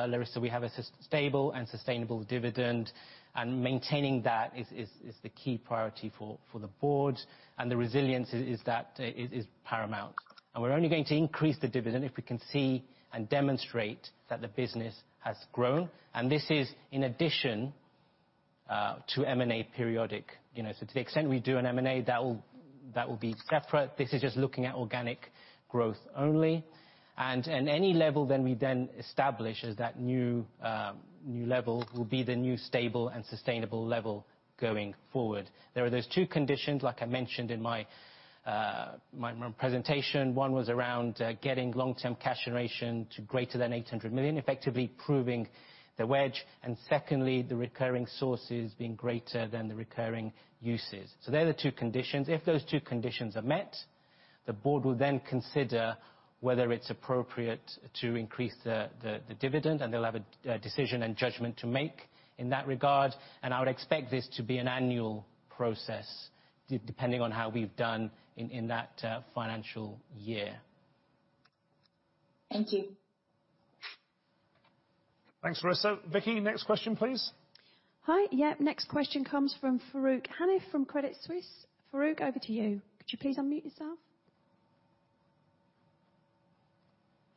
Larissa, we have a stable and sustainable dividend, and maintaining that is the key priority for the board, and the resilience is paramount. We're only going to increase the dividend if we can see and demonstrate that the business has grown. This is in addition to M&A periodic. To the extent we do an M&A, that will be separate. This is just looking at organic growth only. Any level then we then establish as that new level will be the new stable and sustainable level going forward. There are those two conditions, like I mentioned in my presentation. One was around getting long-term cash generation to greater than 800 million, effectively proving the wedge. Secondly, the recurring sources being greater than the recurring uses. They're the two conditions. If those two conditions are met, the board will then consider whether it's appropriate to increase the dividend, and they'll have a decision and judgment to make in that regard. I would expect this to be an annual process, depending on how we've done in that financial year. Thank you. Thanks, Larissa. Vicki, next question, please. Hi. Yeah, next question comes from Farooq Hanif from Credit Suisse. Farooq, over to you. Could you please unmute yourself?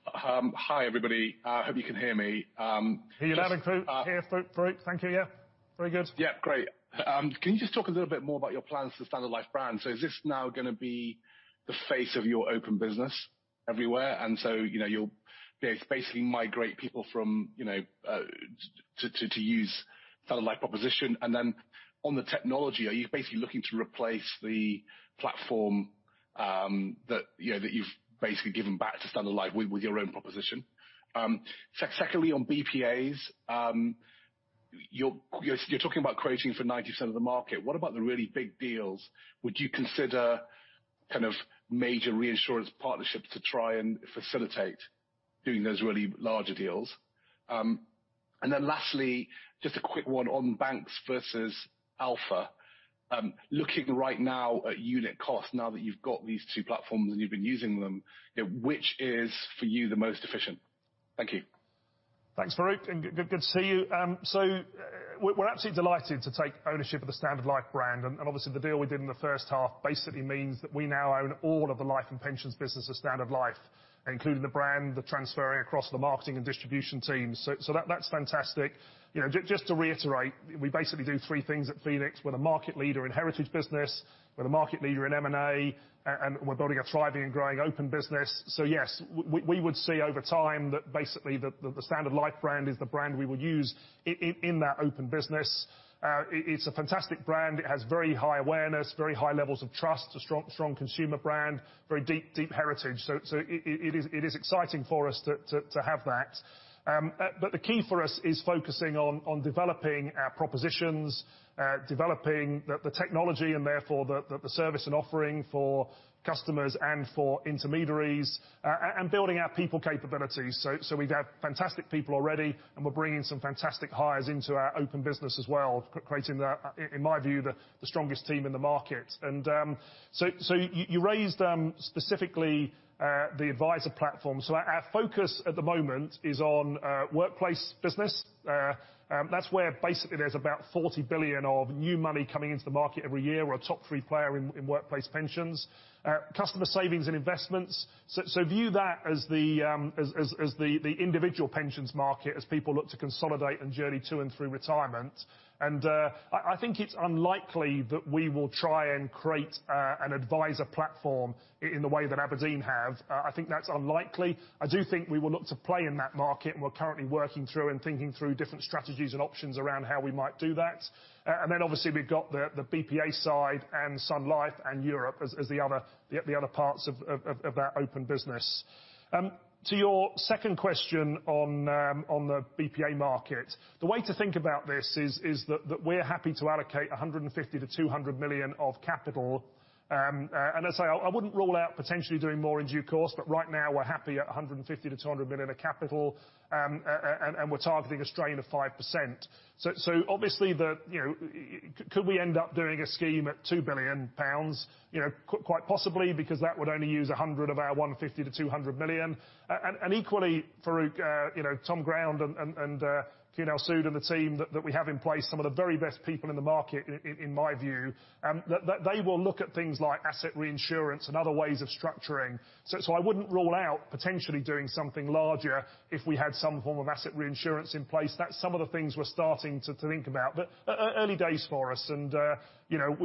Hi, everybody. Hope you can hear me. Hear you loud and clear, Farooq. Thank you. Yeah, very good. Yeah, great. Can you just talk a little bit more about your plans for Standard Life brand? Is this now going to be the face of your open business everywhere? You'll basically migrate people from, to use Standard Life proposition. Then on the technology, are you basically looking to replace the platform that you've basically given back to Standard Life with your own proposition? Secondly, on BPAs, you're talking about creating for 90% of the market. What about the really big deals? Would you consider major reinsurance partnerships to try and facilitate doing those really larger deals? Then lastly, just a quick one on BaNCS versus ALPHA. Looking right now at unit cost, now that you've got these two platforms and you've been using them, which is, for you, the most efficient? Thank you. Thanks, Farooq, good to see you. We're absolutely delighted to take ownership of the Standard Life brand. Obviously the deal we did in the first half basically means that we now own all of the life and pensions business of Standard Life, including the brand, the transferring across the marketing and distribution teams. That's fantastic. Just to reiterate, we basically do three things at Phoenix. We're the market leader in heritage business, we're the market leader in M&A, and we're building a thriving and growing open business. Yes, we would see over time that basically the Standard Life brand is the brand we will use in that open business. It's a fantastic brand. It has very high awareness, very high levels of trust, a strong consumer brand, very deep heritage. It is exciting for us to have that. The key for us is focusing on developing our propositions, developing the technology and therefore the service and offering for customers and for intermediaries, and building our people capabilities. We have fantastic people already, and we're bringing some fantastic hires into our open business as well, creating, in my view, the strongest team in the market. You raised specifically the advisor platform. Our focus at the moment is on workplace business. That's where basically there's about 40 billion of new money coming into the market every year. We're a top three player in workplace pensions. Customer savings and investments. View that as the individual pensions market as people look to consolidate and journey to and through retirement. I think it's unlikely that we will try and create an advisor platform in the way that abrdn have. I think that's unlikely. I do think we will look to play in that market, and we're currently working through and thinking through different strategies and options around how we might do that. Obviously we've got the BPA side and Sun Life and Europe as the other parts of that open business. To your second question on the BPA market. The way to think about this is that we're happy to allocate 150 million-200 million of capital. As I say, I wouldn't rule out potentially doing more in due course, but right now we're happy at 150 million-200 million of capital. We're targeting a strain of 5%. Obviously the Could we end up doing a scheme at 2 billion pounds? Quite possibly, because that would only use 100 million of our 150 million-200 million. Equally, Farooq, Tom Ground and Kunal Sood and the team that we have in place, some of the very best people in the market, in my view, they will look at things like asset reinsurance and other ways of structuring. I wouldn't rule out potentially doing something larger if we had some form of asset reinsurance in place. That's some of the things we're starting to think about. Early days for us, and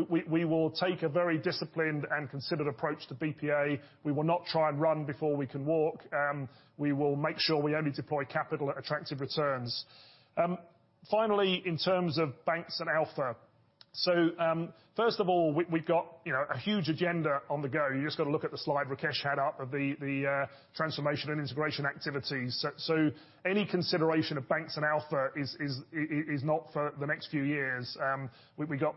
we will take a very disciplined and considered approach to BPA. We will not try and run before we can walk. We will make sure we only deploy capital at attractive returns. Finally, in terms of BaNCS and ALPHA. First of all, we've got a huge agenda on the go. You just got to look at the slide Rakesh had up of the transformation and integration activities. Any consideration of BaNCS and ALPHA is not for the next few years. We've got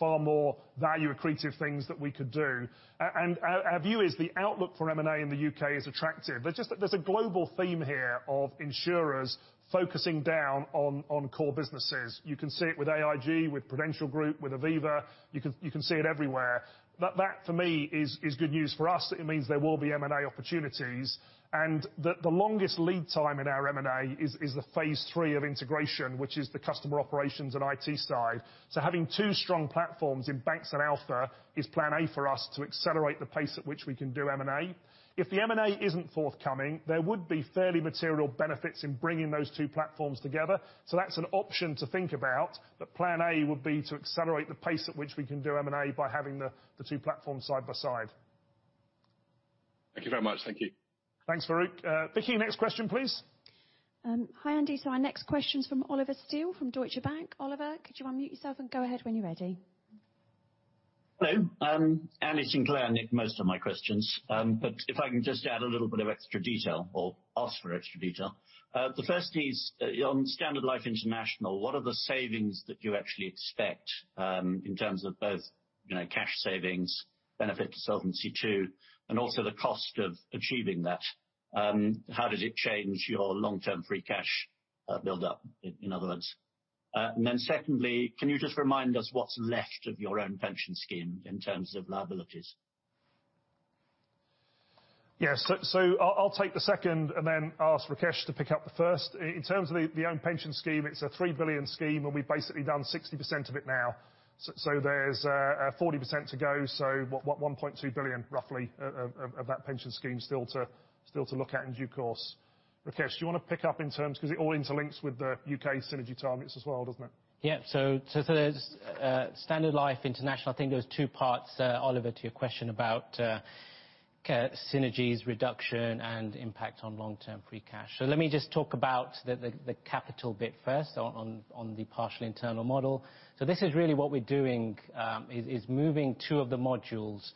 far more value accretive things that we could do. Our view is the outlook for M&A in the U.K. is attractive. There's a global theme here of insurers focusing down on core businesses. You can see it with AIG, with Prudential Group, with Aviva. You can see it everywhere. That, for me, is good news for us. It means there will be M&A opportunities and that the longest lead time in our M&A is the phase III of integration, which is the customer operations and IT side. Having two strong platforms in BaNCS and ALPHA is plan A for us to accelerate the pace at which we can do M&A. If the M&A isn't forthcoming, there would be fairly material benefits in bringing those two platforms together. That's an option to think about, but plan A would be to accelerate the pace at which we can do M&A by having the two platforms side by side. Thank you very much. Thank you. Thanks, Farooq. Vicky, next question, please. Hi, Andy. Our next question is from Oliver Steel, from Deutsche Bank. Oliver, could you unmute yourself and go ahead when you're ready? Hello. Andy Sinclair knew most of my questions. If I can just add a little bit of extra detail or ask for extra detail. The first is on Standard Life International, what are the savings that you actually expect, in terms of both cash savings, benefit to Solvency II, and also the cost of achieving that? How does it change your long-term free cash buildup, in other words? Secondly, can you just remind us of what's left of your own pension scheme in terms of liabilities? I'll take the second and then ask Rakesh to pick up the first. In terms of the own pension scheme, it's a 3 billion scheme. We've basically done 60% of it now. There's 40% to go. 1.2 billion roughly of that pension scheme still to look at in due course. Rakesh, do you want to pick up? Because it all interlinks with the U.K. synergy targets as well, doesn't it? Yeah. There's Standard Life International, I think there was two parts, Oliver, to your question about synergies reduction and impact on long-term free cash. Let me just talk about the capital bit first on the partial internal model. This is really what we're doing, is moving two of the modules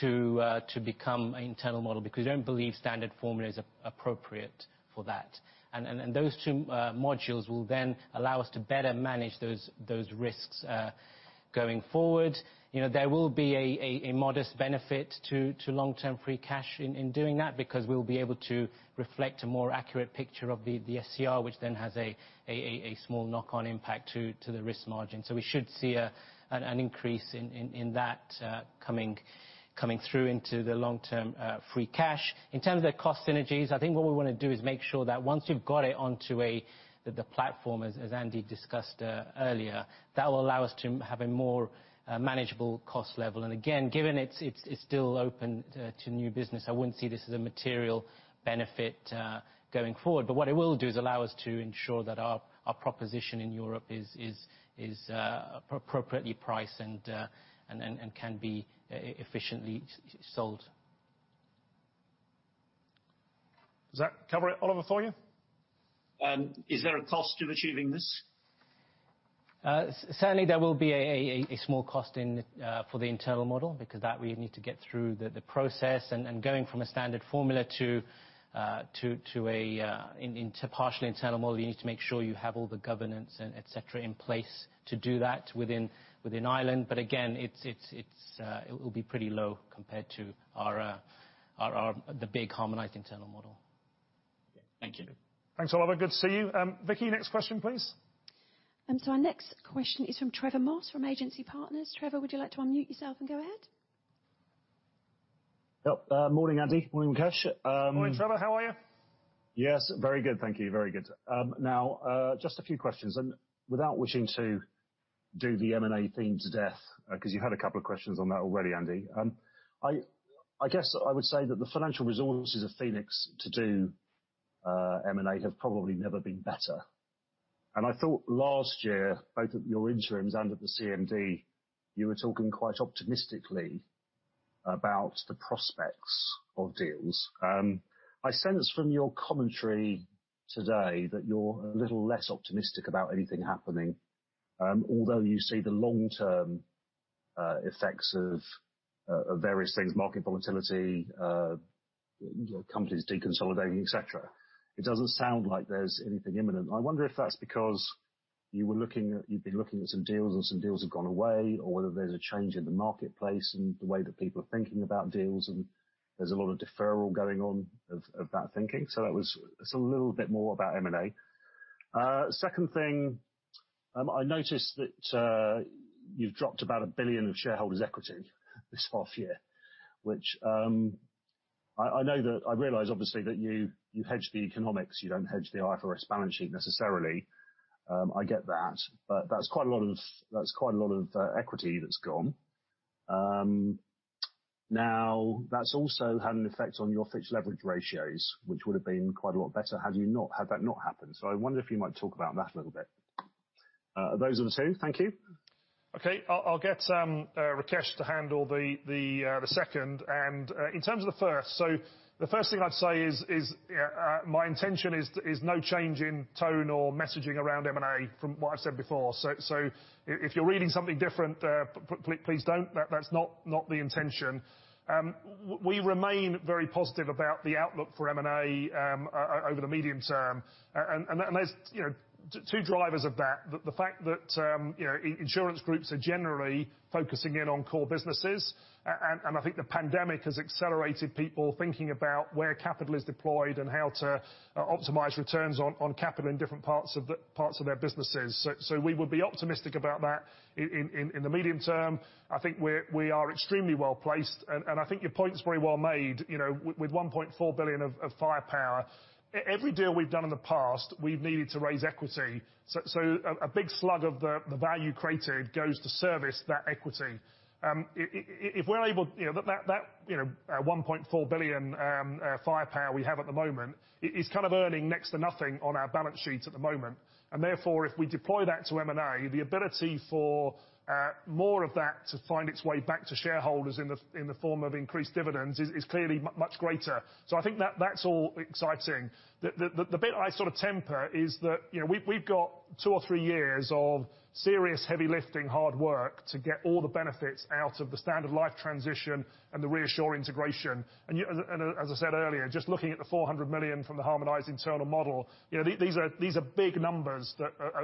to become internal model because we don't believe Standard Formula is appropriate for that. Those two modules will allow us to better manage those risks going forward. There will be a modest benefit to long-term free cash in doing that because we will be able to reflect a more accurate picture of the SCR which then has a small knock-on impact to the risk margin. We should see an increase in that coming through into the long-term free cash. In terms of the cost synergies, I think what we want to do is make sure that once you've got it onto the platform, as Andy discussed earlier, that will allow us to have a more manageable cost level. Again, given it's still open to new business, I wouldn't see this as a material benefit going forward. What it will do is allow us to ensure that our proposition in Europe is appropriately priced and can be efficiently sold. Does that cover it, Oliver, for you? Is there a cost to achieving this? Certainly, there will be a small cost for the internal model, because that we need to get through the process. Going from a Standard Formula to a partially internal model, you need to make sure you have all the governance, et cetera, in place to do that within Ireland. Again, it will be pretty low compared to the big harmonized internal model. Thank you. Thanks, Oliver. Good to see you. Vicky, next question, please. Our next question is from Trevor Moss, from Agency Partners. Trevor, would you like to unmute yourself and go ahead? Yep. Morning, Andy. Morning, Rakesh. Morning, Trevor. How are you? Yes, very good, thank you. Very good. Just a few questions. Without wishing to do the M&A theme to death, because you had a couple of questions on that already, Andy. I guess I would say that the financial resources of Phoenix to do M&A have probably never been better. I thought last year, both at your interims and at the CMD, you were talking quite optimistically about the prospects of deals. I sense from your commentary today that you're a little less optimistic about anything happening. You see the long-term effects of various things, market volatility, companies deconsolidating, et cetera. It doesn't sound like there's anything imminent. I wonder if that's because you've been looking at some deals and some deals have gone away, or whether there's a change in the marketplace and the way that people are thinking about deals, and there's a lot of deferral going on of that thinking. That was a little bit more about M&A. Second thing, I noticed that you've dropped about 1 billion of shareholders' equity this half year. I realize, obviously, that you hedge the economics, you don't hedge the IFRS balance sheet necessarily. I get that, but that's quite a lot of equity that's gone. Now, that's also had an effect on your fixed leverage ratios, which would have been quite a lot better had that not happened. I wonder if you might talk about that a little bit. Those are the two. Thank you. Okay. I'll get Rakesh to handle the second. In terms of the first, the first thing I'd say is my intention is no change in tone or messaging around M&A from what I've said before. If you're reading something different, please don't. That's not the intention. We remain very positive about the outlook for M&A over the medium term. There're two drivers of that. The fact that insurance groups are generally focusing in on core businesses. I think the pandemic has accelerated people thinking about where capital is deployed and how to optimize returns on capital in different parts of their businesses. We would be optimistic about that in the medium term. I think we are extremely well-placed, and I think your point is very well made. With 1.4 billion of firepower. Every deal we've done in the past, we've needed to raise equity. A big slug of the value created goes to service that equity. That 1.4 billion firepower we have at the moment, is kind of earning next to nothing on our balance sheets at the moment. Therefore, if we deploy that to M&A, the ability for more of that to find its way back to shareholders in the form of increased dividends is clearly much greater. I think that's all exciting. The bit I sort of temper is that we've got two or three years of serious, heavy lifting, hard work to get all the benefits out of the Standard Life transition and the ReAssure integration. As I said earlier, just looking at the 400 million from the harmonized internal model, these are big numbers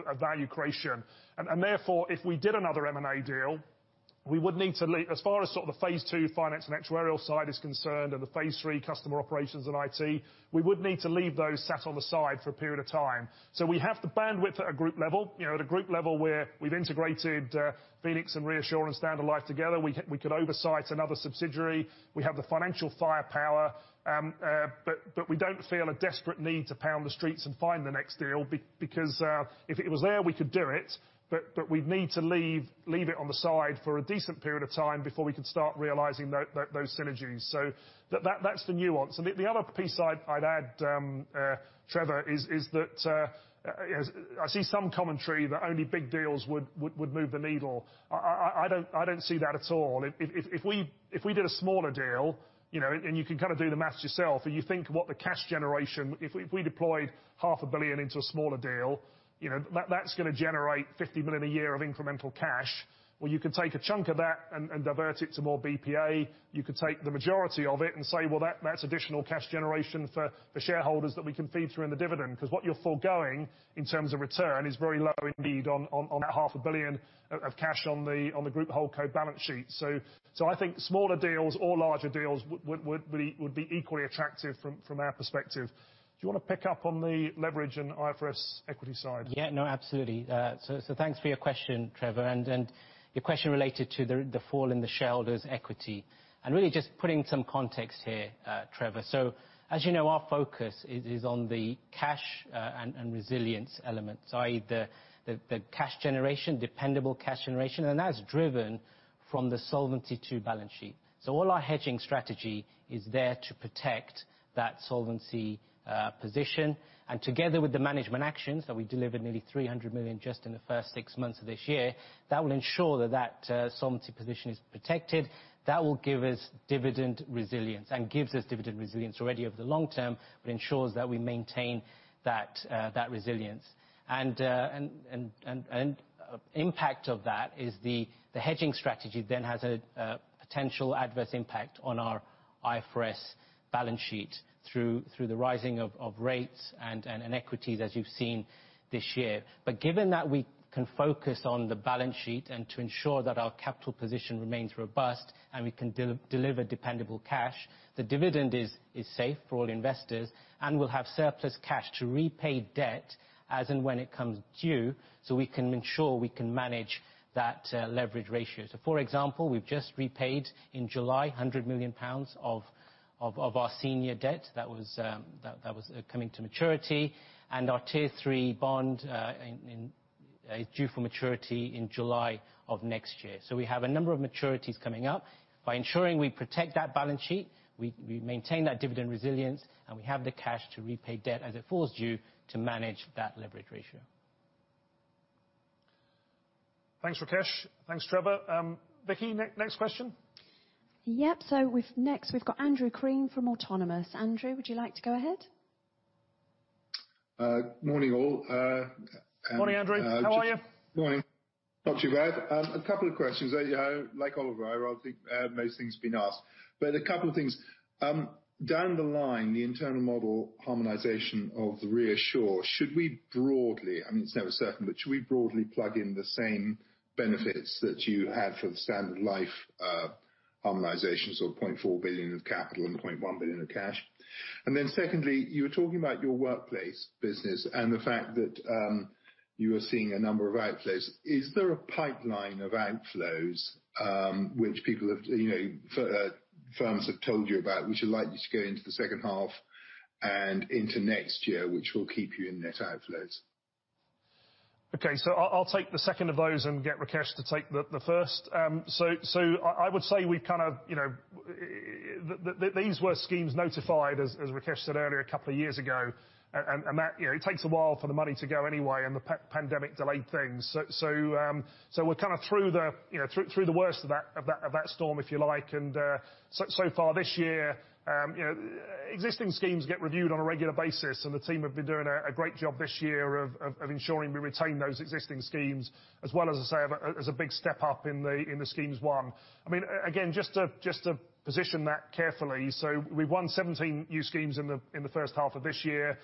of value creation. Therefore, if we did another M&A deal, as far as sort of the phase II finance and actuarial side is concerned, and the phase III customer operations and IT, we would need to leave those sat on the side for a period of time. We have the bandwidth at a group level. At a group level where we've integrated Phoenix and ReAssure and Standard Life together. We could oversight another subsidiary. We have the financial firepower. We don't feel a desperate need to pound the streets and find the next deal, because if it was there, we could do it. We'd need to leave it on the side for a decent period of time before we could start realizing those synergies. That's the nuance. The other piece I'd add, Trevor, is that I see some commentary that only big deals would move the needle. I don't see that at all. If we did a smaller deal, you can kind of do the math yourself. You think what the cash generation, if we deployed half a billion into a smaller deal, that's going to generate 50 million a year of incremental cash. Well, you could take a chunk of that and divert it to more BPA. You could take the majority of it and say, "Well, that's additional cash generation for the shareholders that we can feed through in the dividend." What you're foregoing in terms of return is very low indeed on that half a billion of cash on the group whole code balance sheet. I think smaller deals or larger deals would be equally attractive from our perspective. Do you want to pick up on the leverage and IFRS equity side? Yeah, no, absolutely. Thanks for your question, Trevor, and your question related to the fall in the shareholders' equity. Really just putting some context here, Trevor. As you know, our focus is on the cash and resilience elements, i.e., the cash generation, dependable cash generation, and that is driven from the Solvency II balance sheet. All our hedging strategy is there to protect that solvency position. Together with the management actions, that we delivered nearly 300 million just in the first six months of this year, that will ensure that solvency position is protected. That will give us dividend resilience and gives us dividend resilience already over the long term, ensures that we maintain that resilience. Impact of that is the hedging strategy then has a potential adverse impact on our IFRS balance sheet through the rising of rates and in equities as you've seen this year. Given that we can focus on the balance sheet and to ensure that our capital position remains robust and we can deliver dependable cash, the dividend is safe for all investors, and we'll have surplus cash to repay debt as and when it comes due, we can ensure we can manage that leverage ratio. For example, we've just repaid in July, 100 million pounds of our senior debt that was coming to maturity, and our Tier 3 bond is due for maturity in July of next year. We have a number of maturities coming up. By ensuring we protect that balance sheet, we maintain that dividend resilience, and we have the cash to repay debt as it falls due to manage that leverage ratio. Thanks, Rakesh. Thanks, Trevor. Vicky, next question. Yep. Next we've got Andrew Crean from Autonomous. Andrew, would you like to go ahead? Morning, all. Morning, Andrew. How are you? Morning. Talk to you about a couple of questions. As you know, like Oliver, I don't think most things have been asked. A couple of things. Down the line, the internal model harmonization of the ReAssure, should we broadly, I mean, it's never certain, but should we broadly plug in the same benefits that you had for the Standard Life harmonizations of 0.4 billion of capital and 0.1 billion of cash? Secondly, you were talking about your workplace business and the fact that you are seeing a number of outflows. Is there a pipeline of outflows, which people have, you know, firms have told you about, which are likely to go into the second half and into next year, which will keep you in net outflows? Okay. I'll take the second of those and get Rakesh to take the first. I would say these were schemes notified as Rakesh said earlier, couple of years ago, and that it takes a while for the money to go anyway, and the pandemic delayed things. We're kind of through the worst of that storm, if you like. So far this year, existing schemes get reviewed on a regular basis, and the team have been doing a great job this year of ensuring we retain those existing schemes as well as, say, as a big step up in the schemes won. Again, just to position that carefully. We won 17 new schemes in the first half of this year,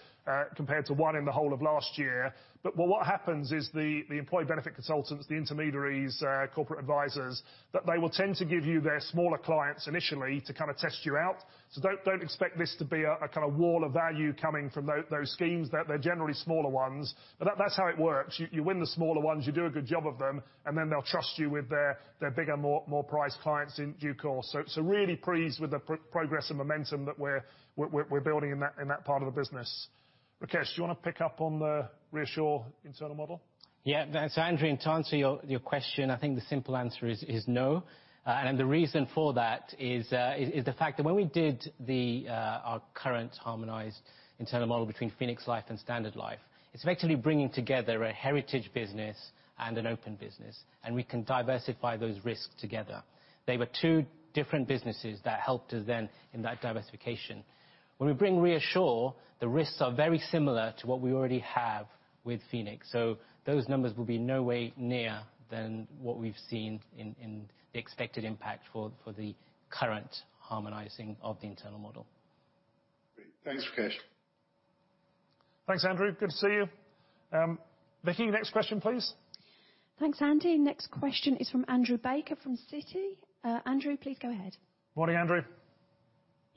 compared to one in the whole of last year. What happens is the employee benefit consultants, the intermediaries, corporate advisors, that they will tend to give you their smaller clients initially to kind of test you out. Don't expect this to be a kind of wall of value coming from those schemes. They're generally smaller ones. That's how it works. You win the smaller ones, you do a good job of them, and then they'll trust you with their bigger, more prized clients in due course. Really pleased with the progress and momentum that we're building in that part of the business. Rakesh, do you want to pick up on the ReAssure internal model? Andrew, to answer your question, I think the simple answer is no. The reason for that is the fact that when we did our current harmonized internal model between Phoenix Life and Standard Life, it's effectively bringing together a heritage business and an open business, and we can diversify those risks together. They were two different businesses that helped us then in that diversification. When we bring ReAssure, the risks are very similar to what we already have with Phoenix. Those numbers will be no way near than what we've seen in the expected impact for the current harmonizing of the internal model. Great. Thanks, Rakesh. Thanks, Andrew. Good to see you. Vicky, next question, please. Thanks, Andy. Next question is from Andrew Baker from Citi. Andrew, please go ahead. Morning, Andrew.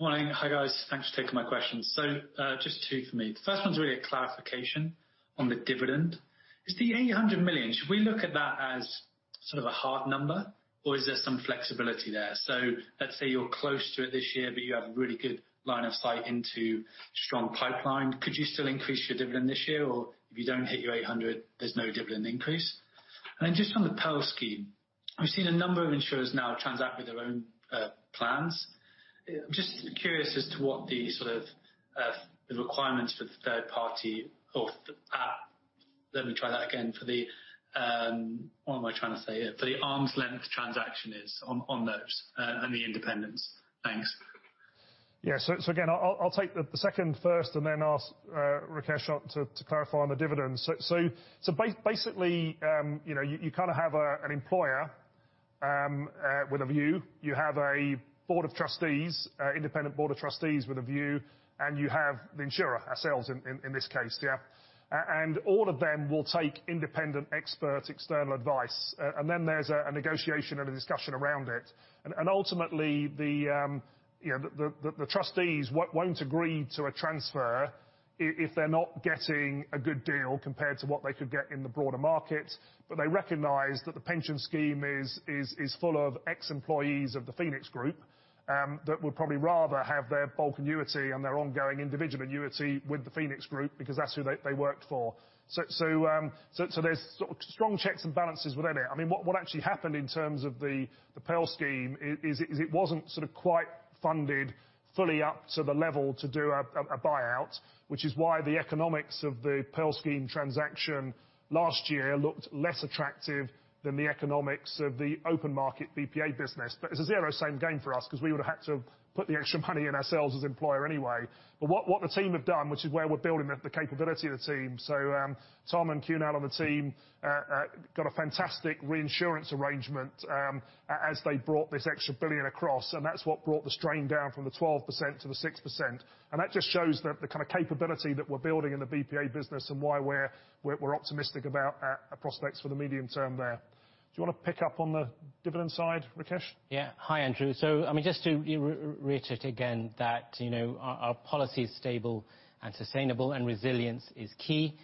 Morning. Hi, guys. Thanks for taking my questions. Just two for me. The first one's really a clarification on the dividend. Is the 800 million, should we look at that as sort of a hard number? Or is there some flexibility there? Let's say you're close to it this year, but you have a really good line of sight into strong pipeline. Could you still increase your dividend this year? Or if you don't hit your 800, there's no dividend increase? Then just on the Pearl scheme, we've seen a number of insurers now transact with their own plans. I'm just curious as to what the sort of the requirements for the third party for the arms-length transaction is on those and the independence. Thanks. Yeah. Again, I'll take the second first and then ask Rakesh to clarify on the dividends. Basically, you kind of have an employer with a view. You have a board of trustees, independent board of trustees with a view, you have the insurer, ourselves in this case yeah. All of them will take independent expert external advice. Then there's a negotiation and a discussion around it. Ultimately, the trustees won't agree to a transfer if they're not getting a good deal compared to what they could get in the broader market. They recognize that the pension scheme is full of ex-employees of the Phoenix Group, that would probably rather have their bulk annuity and their ongoing individual annuity with the Phoenix Group because that's who they worked for. There're strong checks and balances within it. What actually happened in terms of the Pearl scheme is it wasn't sort of quite funded fully up to the level to do a buyout, which is why the economics of the Pearl scheme transaction last year looked less attractive than the economics of the open market BPA business. It's a zero-sum game for us because we would have had to put the extra money in ourselves as employer anyway. What the team have done is where we're building the capability of the team. Tom and Kunal on the team got a fantastic reinsurance arrangement as they brought this extra 1 billion across, and that's what brought the strain down from the 12% to the 6%. That just shows the kind of capability that we're building in the BPA business and why we're optimistic about our prospects for the medium term there. Do you want to pick up on the dividend side, Rakesh? Yeah. Hi, Andrew. Just to reiterate again that our policy is stable and sustainable, and resilience is key.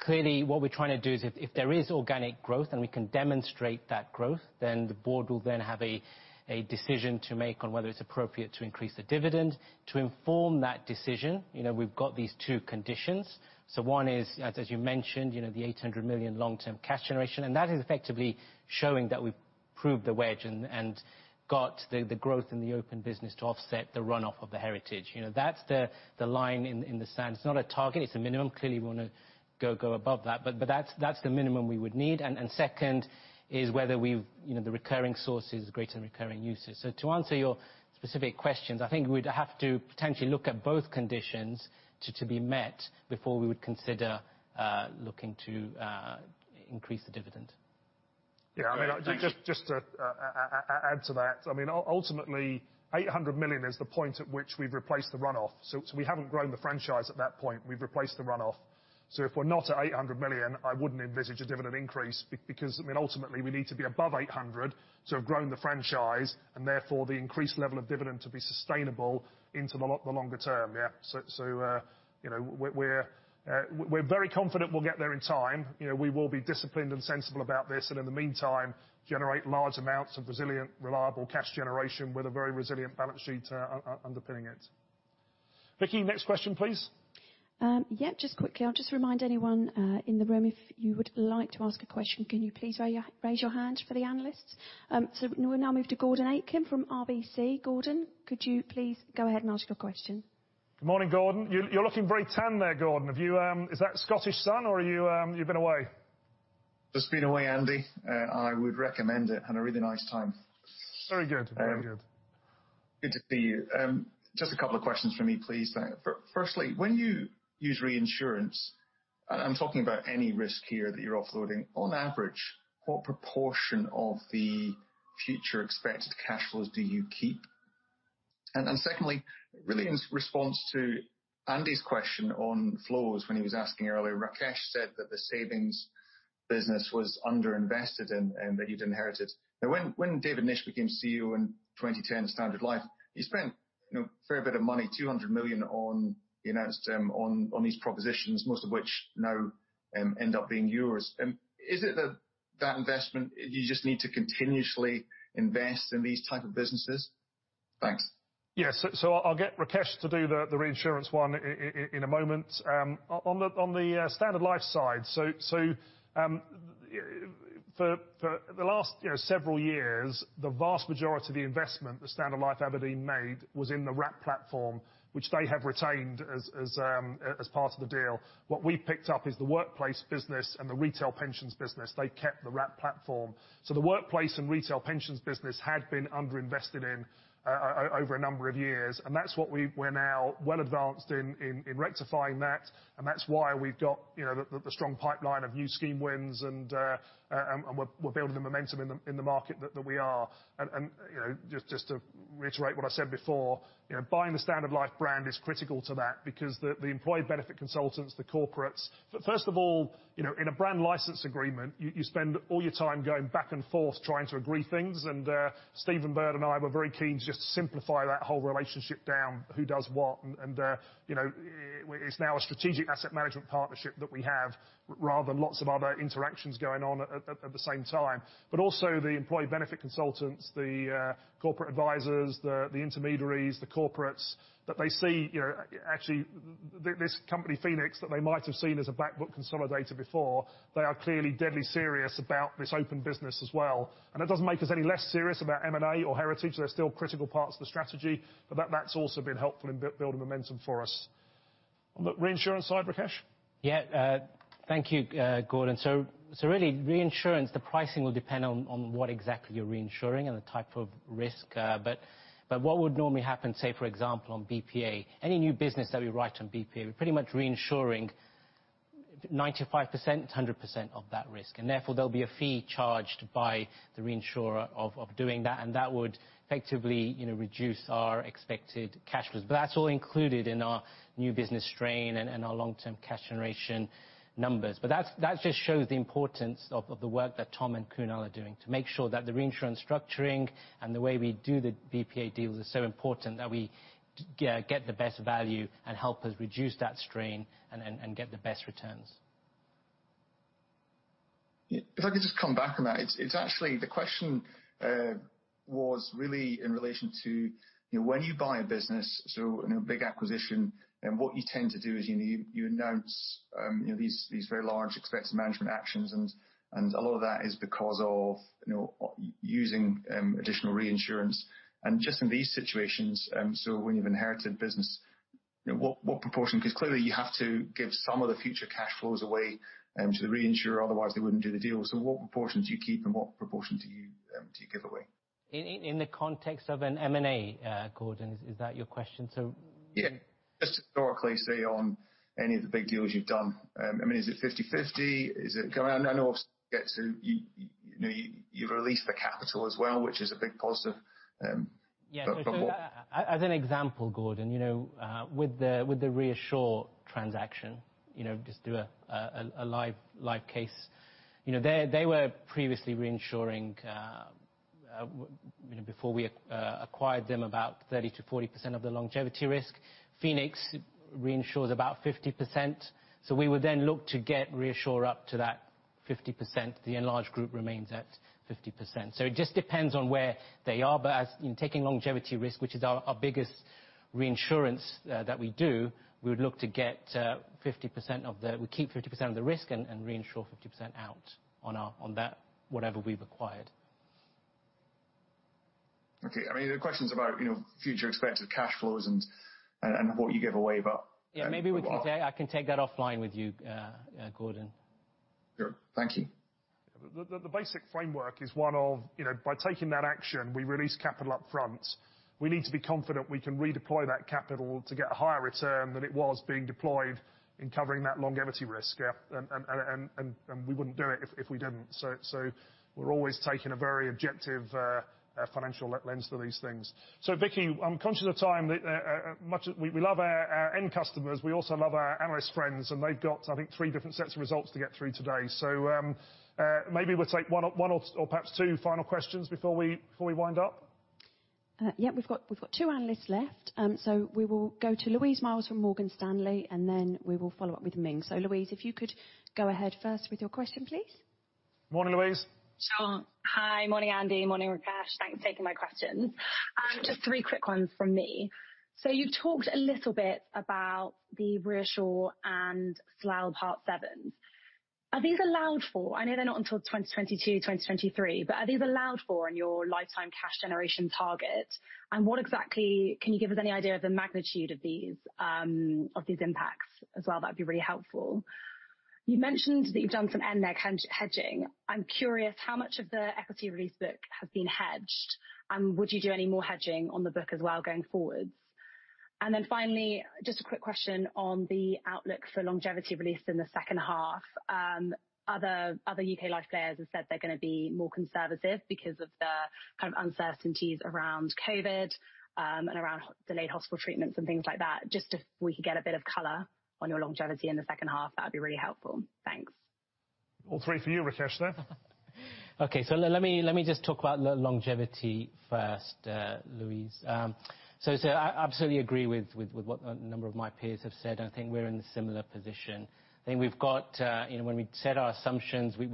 Clearly, what we're trying to do is if there is organic growth and we can demonstrate that growth, then the board will then have a decision to make on whether it's appropriate to increase the dividend. To inform that decision, we've got these two conditions. One is, as you mentioned, the 800 million long-term cash generation, and that is effectively showing that we've proved the wedge and got the growth in the open business to offset the runoff of the heritage. That's the line in the sand. It's not a target. It's a minimum. Clearly, we want to go above that. That's the minimum we would need. Second is whether the recurring source is greater than recurring uses. To answer your specific questions, I think we'd have to potentially look at both conditions to be met before we would consider looking to increase the dividend. Yeah. Just to add to that. Ultimately, 800 million is the point at which we've replaced the runoff. We haven't grown the franchise at that point. We've replaced the runoff. If we're not at 800 million, I wouldn't envisage a dividend increase because ultimately we need to be above 800 to have grown the franchise, and therefore the increased level of dividend to be sustainable into the longer term, yeah. We're very confident we'll get there in time. We will be disciplined and sensible about this, and in the meantime, generate large amounts of resilient, reliable cash generation with a very resilient balance sheet underpinning it. Vicky, next question, please. Yeah. Just quickly, I'll just remind anyone in the room, if you would like to ask a question, can you please raise your hand for the analyst? We'll now move to Gordon Aitken from RBC. Gordon, could you please go ahead and ask your question? Good morning, Gordon. You're looking very tan there, Gordon. Is that Scottish sun or you've been away? Just been away, Andy. I would recommend it. Had a really nice time. Very good. Good to see you. Just a couple of questions from me, please. Firstly, when you use reinsurance, I'm talking about any risk here that you're offloading. On average, what proportion of the future expected cash flows do you keep? Secondly, really in response to Andy's question on flows when he was asking earlier, Rakesh said that the savings business was underinvested and that you'd inherited. When David Nish became CEO in 2010 at Standard Life, you spent a fair bit of money, 200 million on these propositions, most of which now end up being yours. Is it that investment, you just need to continuously invest in these types of businesses? Thanks. Yeah. I'll get Rakesh to do the reinsurance one in a moment. On the Standard Life side, for the last several years, the vast majority of the investment that Standard Life abrdn made was in the Wrap platform, which they have retained as part of the deal. What we picked up is the workplace business and the retail pensions business. They kept the Wrap platform. The workplace and retail pensions business had been underinvested in over a number of years, and that's what we're now well advanced in rectifying that. That's why we've got the strong pipeline of new scheme wins and we're building the momentum in the market that we are. Just to reiterate what I said before, buying the Standard Life brand is critical to that because the employee benefit consultants, the corporates. First of all, in a brand license agreement, you spend all your time going back and forth trying to agree things, and Stephen Bird and I were very keen to just simplify that whole relationship down, who does what. It's now a strategic asset management partnership that we have rather than lots of other interactions going on at the same time. Also, the employee benefit consultants, the corporate advisors, the intermediaries, the corporates, that they see actually this company, Phoenix, that they might have seen as a back book consolidator before. They are clearly deadly serious about this open business as well. It doesn't make us any less serious about M&A or Heritage. They're still critical parts of the strategy, but that's also been helpful in building momentum for us. On the reinsurance side, Rakesh? Yeah. Thank you, Gordon. Really, reinsurance, the pricing will depend on what exactly you're reinsuring and the type of risk. What would normally happen, say for example, on BPA, any new business that we write on BPA, we're pretty much reinsuring 95%, 100% of that risk. Therefore, there'll be a fee charged by the reinsurer of doing that, and that would effectively reduce our expected cash flows. That's all included in our new business strain and our long-term cash generation numbers. That just shows the importance of the work that Tom and Kunal are doing to make sure that the reinsurance structuring and the way we do the BPA deals is so important that we get the best value and help us reduce that strain and get the best returns. If I could just come back on that. It's actually the question was really in relation to when you buy a business, so big acquisition. What you tend to do is you announce these very large expected management actions. A lot of that is because of using additional reinsurance. Just in these situations, so when you've inherited business, what proportion? Because clearly you have to give some of the future cash flows away to the reinsurer, otherwise they wouldn't do the deal. What proportions do you keep and what proportion do you give away? In the context of an M&A, Gordon, is that your question? Yeah. Just historically, say, on any of the big deals you've done. Is it 50/50? You've released the capital as well, which is a big positive. Yeah. But- As an example, Gordon, with the ReAssure transaction, just do a live case. They were previously reinsuring, before we acquired them, about 30%-40% of the longevity risk. Phoenix reinsures about 50%. We would then look to get ReAssure up to that 50%, the enlarged group remains at 50%. It just depends on where they are. In taking longevity risk, which is our biggest reinsurance that we do, we keep 50% of the risk and reinsure 50% out on that, whatever we've acquired. Okay. The questions about future expected cash flows and what you give away. Yeah. Maybe I can take that offline with you, Gordon. Sure. Thank you. The basic framework is one of, by taking that action, we release capital up front. We need to be confident we can redeploy that capital to get a higher return than it was being deployed in covering that longevity risk. Yeah. We wouldn't do it if we didn't. We're always taking a very objective financial lens to these things. Vicky, I'm conscious of time. We love our end customers. We also love our analyst friends, they've got, I think, three different sets of results to get through today. Maybe we'll take one or perhaps two final questions before we wind up. Yeah. We've got two analysts left. We will go to Louise Miles from Morgan Stanley, and then we will follow up with Ming. Louise, if you could go ahead first with your question, please. Morning, Louise. Sure. Hi. Morning, Andy. Morning, Rakesh. Thanks for taking my questions. Just three quick ones from me. You've talked a little bit about the ReAssure and Solvency Part VII. Are these allowed for? I know they're not until 2022, 2023. Are these allowed for in your lifetime cash generation target? What exactly can you give us any idea of the magnitude of these impacts as well? That'd be really helpful. You mentioned that you've done some NNEG hedging. I'm curious how much of the equity release book has been hedged, and would you do any more hedging on the book as well going forwards? Finally, just a quick question on the outlook for longevity release in the second half. Other U.K. Life players have said they're going to be more conservative because of the kind of uncertainties around COVID, and around delayed hospital treatments and things like that. Just if we could get a bit of color on your longevity in the second half, that would be really helpful. Thanks. All three for you, Rakesh, then. Let me just talk about longevity first, Louise. I absolutely agree with what a number of my peers have said. I think we're in a similar position. I think we've got, when we set our assumptions, we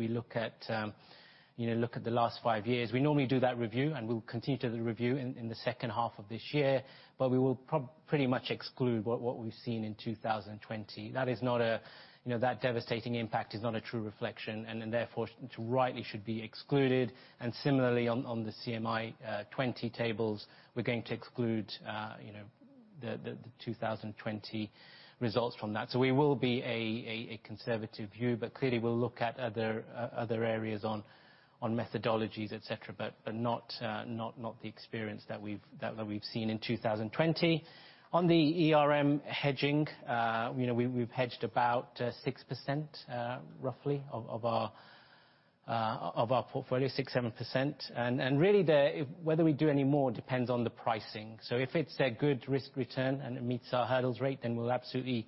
look at the last five years. We normally do that review, and we'll continue to review in the second half of this year, but we will pretty much exclude what we've seen in 2020. That devastating impact is not a true reflection, and therefore it rightly should be excluded. Similarly, on the CMI 20 tables, we're going to exclude the 2020 results from that. We will be a conservative view, but clearly, we'll look at other areas on methodologies, et cetera, but not the experience that we've seen in 2020. On the ERM hedging, we've hedged about 6%, roughly of our portfolio, 6%, 7%. Really, whether we do any more depends on the pricing. If it's a good risk return and it meets our hurdle rate, then we'll absolutely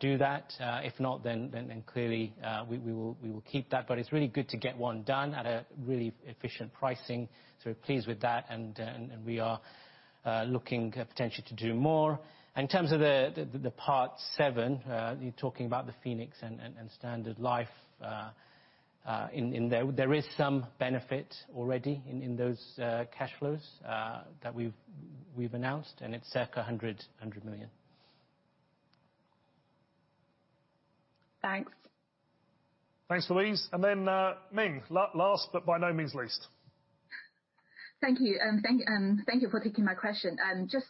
do that. If not, then clearly, we will keep that. It's really good to get one done at a really efficient pricing. We're pleased with that, and we are looking potentially to do more. In terms of the Part VII, you're talking about the Phoenix and Standard Life. There is some benefit already in those cash flows that we've announced, and its circa 100 million. Thanks. Thanks, Louise. Ming, last but by no means least. Thank you. Thank you for taking my question. Just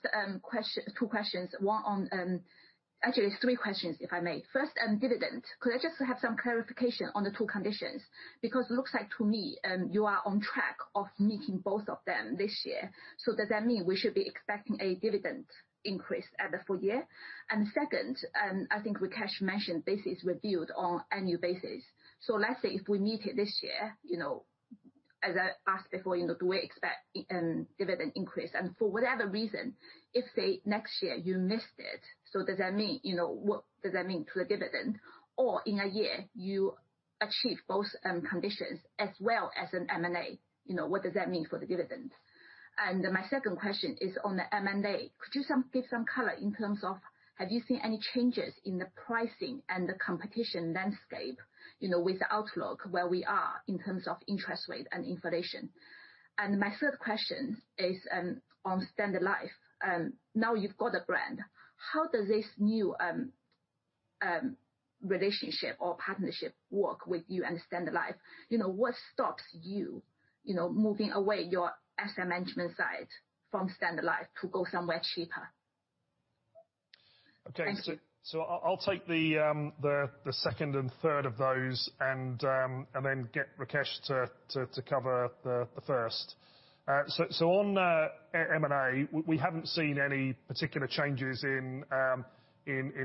two questions. Actually, it's three questions, if I may. First, dividend. Could I just have some clarification on the two conditions? Because it looks like to me, you are on track of meeting both of them this year. Does that mean we should be expecting a dividend increase at the full year? Second, I think Rakesh mentioned this is reviewed on annual basis. Let's say if we meet it this year, as I asked before, do we expect dividend increase? For whatever reason, if say next year you missed it, what does that mean to the dividend? In a year, you achieve both conditions as well as an M&A, what does that mean for the dividends? My second question is on the M&A. Could you give some color in terms of, have you seen any changes in the pricing and the competition landscape with the outlook where we are in terms of interest rate and inflation? My third question is, on Standard Life. Now you've got a brand. How does this new relationship or partnership work with you and Standard Life? What stops you moving away your asset management side from Standard Life to go somewhere cheaper? Okay. Thank you. I'll take the second and third of those and then get Rakesh to cover the first. On M&A, we haven't seen any particular changes in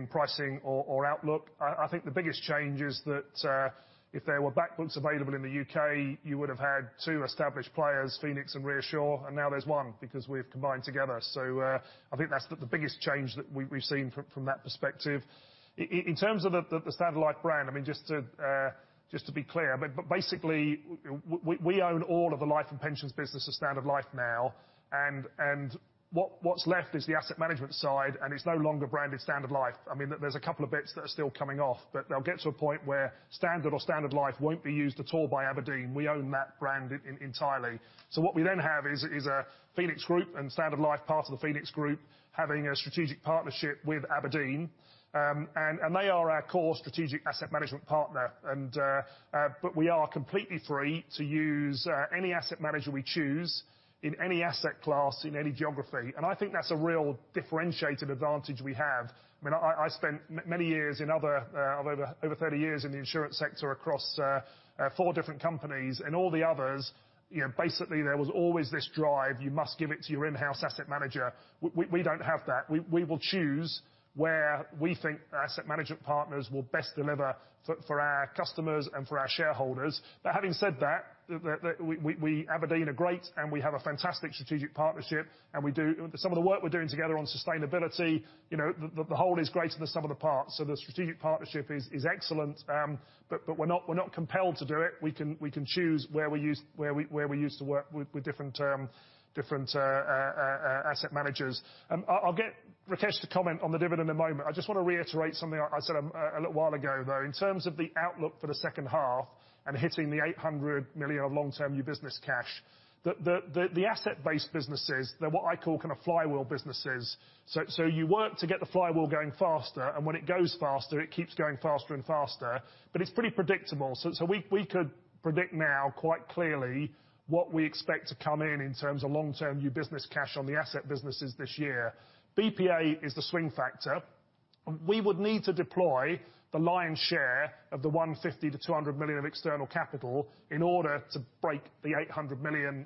pricing or outlook. I think the biggest change is that, if there were back books available in the U.K., you would have had two established players, Phoenix and ReAssure, and now there's one because we've combined together. I think that's the biggest change that we've seen from that perspective. In terms of the Standard Life brand, just to be clear, but basically, we own all of the life and pensions business of Standard Life now. What's left is the asset management side, and it's no longer branded Standard Life. There's a couple of bits that are still coming off, but they'll get to a point where Standard or Standard Life won't be used at all by abrdn. We own that brand entirely. What we then have is a Phoenix Group and Standard Life part of the Phoenix Group having a strategic partnership with abrdn. They are our core strategic asset management partner. We are completely free to use any asset manager we choose in any asset class, in any geography. I think that's a real differentiated advantage we have. I spent over 30 years in the insurance sector across four different companies. In all the others, basically there was always this drive, you must give it to your in-house asset manager. We don't have that. We will choose where we think asset management partners will best deliver for our customers and for our shareholders. Having said that, abrdn are great and we have a fantastic strategic partnership. Some of the work we're doing together on sustainability, the whole is greater than the sum of the parts. The strategic partnership is excellent. We're not compelled to do it. We can choose where we use to work with different asset managers. I'll get Rakesh to comment on the dividend in a moment. I just want to reiterate something I said a little while ago, though. In terms of the outlook for the second half and hitting the 800 million of long-term new business cash. The asset-based businesses, they're what I call kind of flywheel businesses. You work to get the flywheel going faster, and when it goes faster, it keeps going faster and faster. It's pretty predictable. We could predict now quite clearly what we expect to come in terms of long-term new business cash on the asset businesses this year. BPA is the swing factor. We would need to deploy the lion's share of the 150 million-200 million of external capital in order to break the 800 million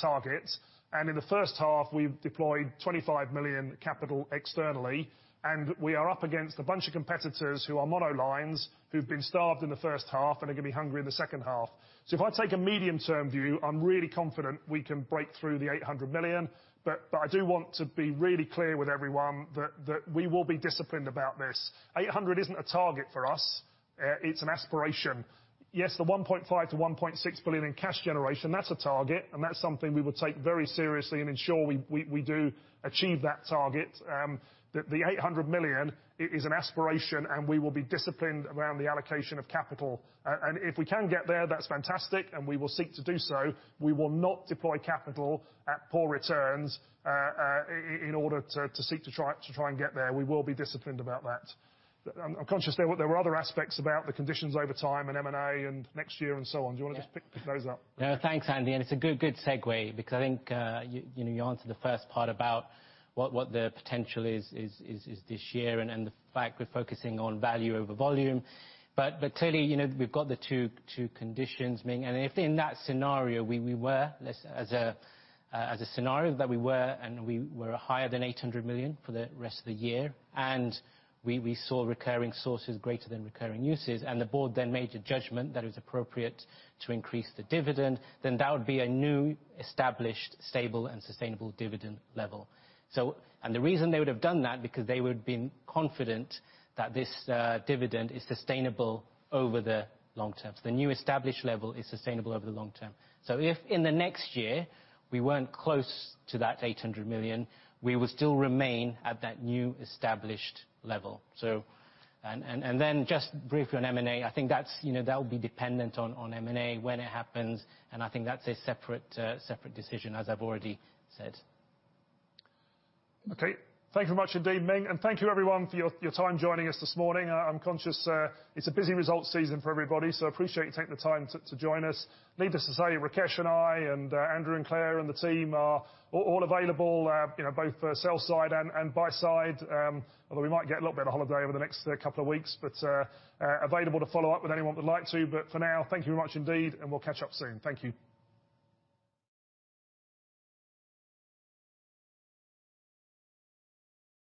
target. In the first half, we've deployed 25 million capital externally, and we are up against a bunch of competitors who are monolines who've been starved in the first half and are going to be hungry in the second half. If I take a medium-term view, I'm really confident we can break through the 800 million. I do want to be really clear with everyone that we will be disciplined about this. 800 million isn't a target for us. It's an aspiration. Yes, the 1.5 billion-1.6 billion in cash generation, that's a target, and that's something we would take very seriously and ensure we do achieve that target. The 800 million is an aspiration, and we will be disciplined around the allocation of capital. If we can get there, that's fantastic, and we will seek to do so. We will not deploy capital at poor returns in order to seek to try and get there. We will be disciplined about that. I'm conscious there were other aspects about the conditions over time and M&A and next year and so on. Do you want to just pick those up? No, thanks, Andy. It's a good segue because I think you answered the first part about what the potential is this year and the fact we're focusing on value over volume. Clearly, we've got the two conditions. Ming, if in that scenario, we were higher than 800 million for the rest of the year, we saw recurring sources greater than recurring uses, the board made a judgment that it was appropriate to increase the dividend, that would be a new established, stable, and sustainable dividend level. The reason they would have done that, because they would have been confident that this dividend is sustainable over the long term. The new established level is sustainable over the long term. If in the next year we weren't close to that 800 million, we would still remain at that new established level. Just briefly on M&A, I think that would be dependent on M&A when it happens. I think that's a separate decision, as I've already said. Okay. Thank you very much indeed, Ming. Thank you everyone for your time joining us this morning. I'm conscious it's a busy results season for everybody. Appreciate you taking the time to join us. Needless to say, Rakesh and I and Andrew and Claire and the team are all available, both sell side and buy side. Although we might get a little bit of holiday over the next couple of weeks, available to follow up with anyone would like to. For now, thank you very much indeed. We'll catch up soon. Thank you.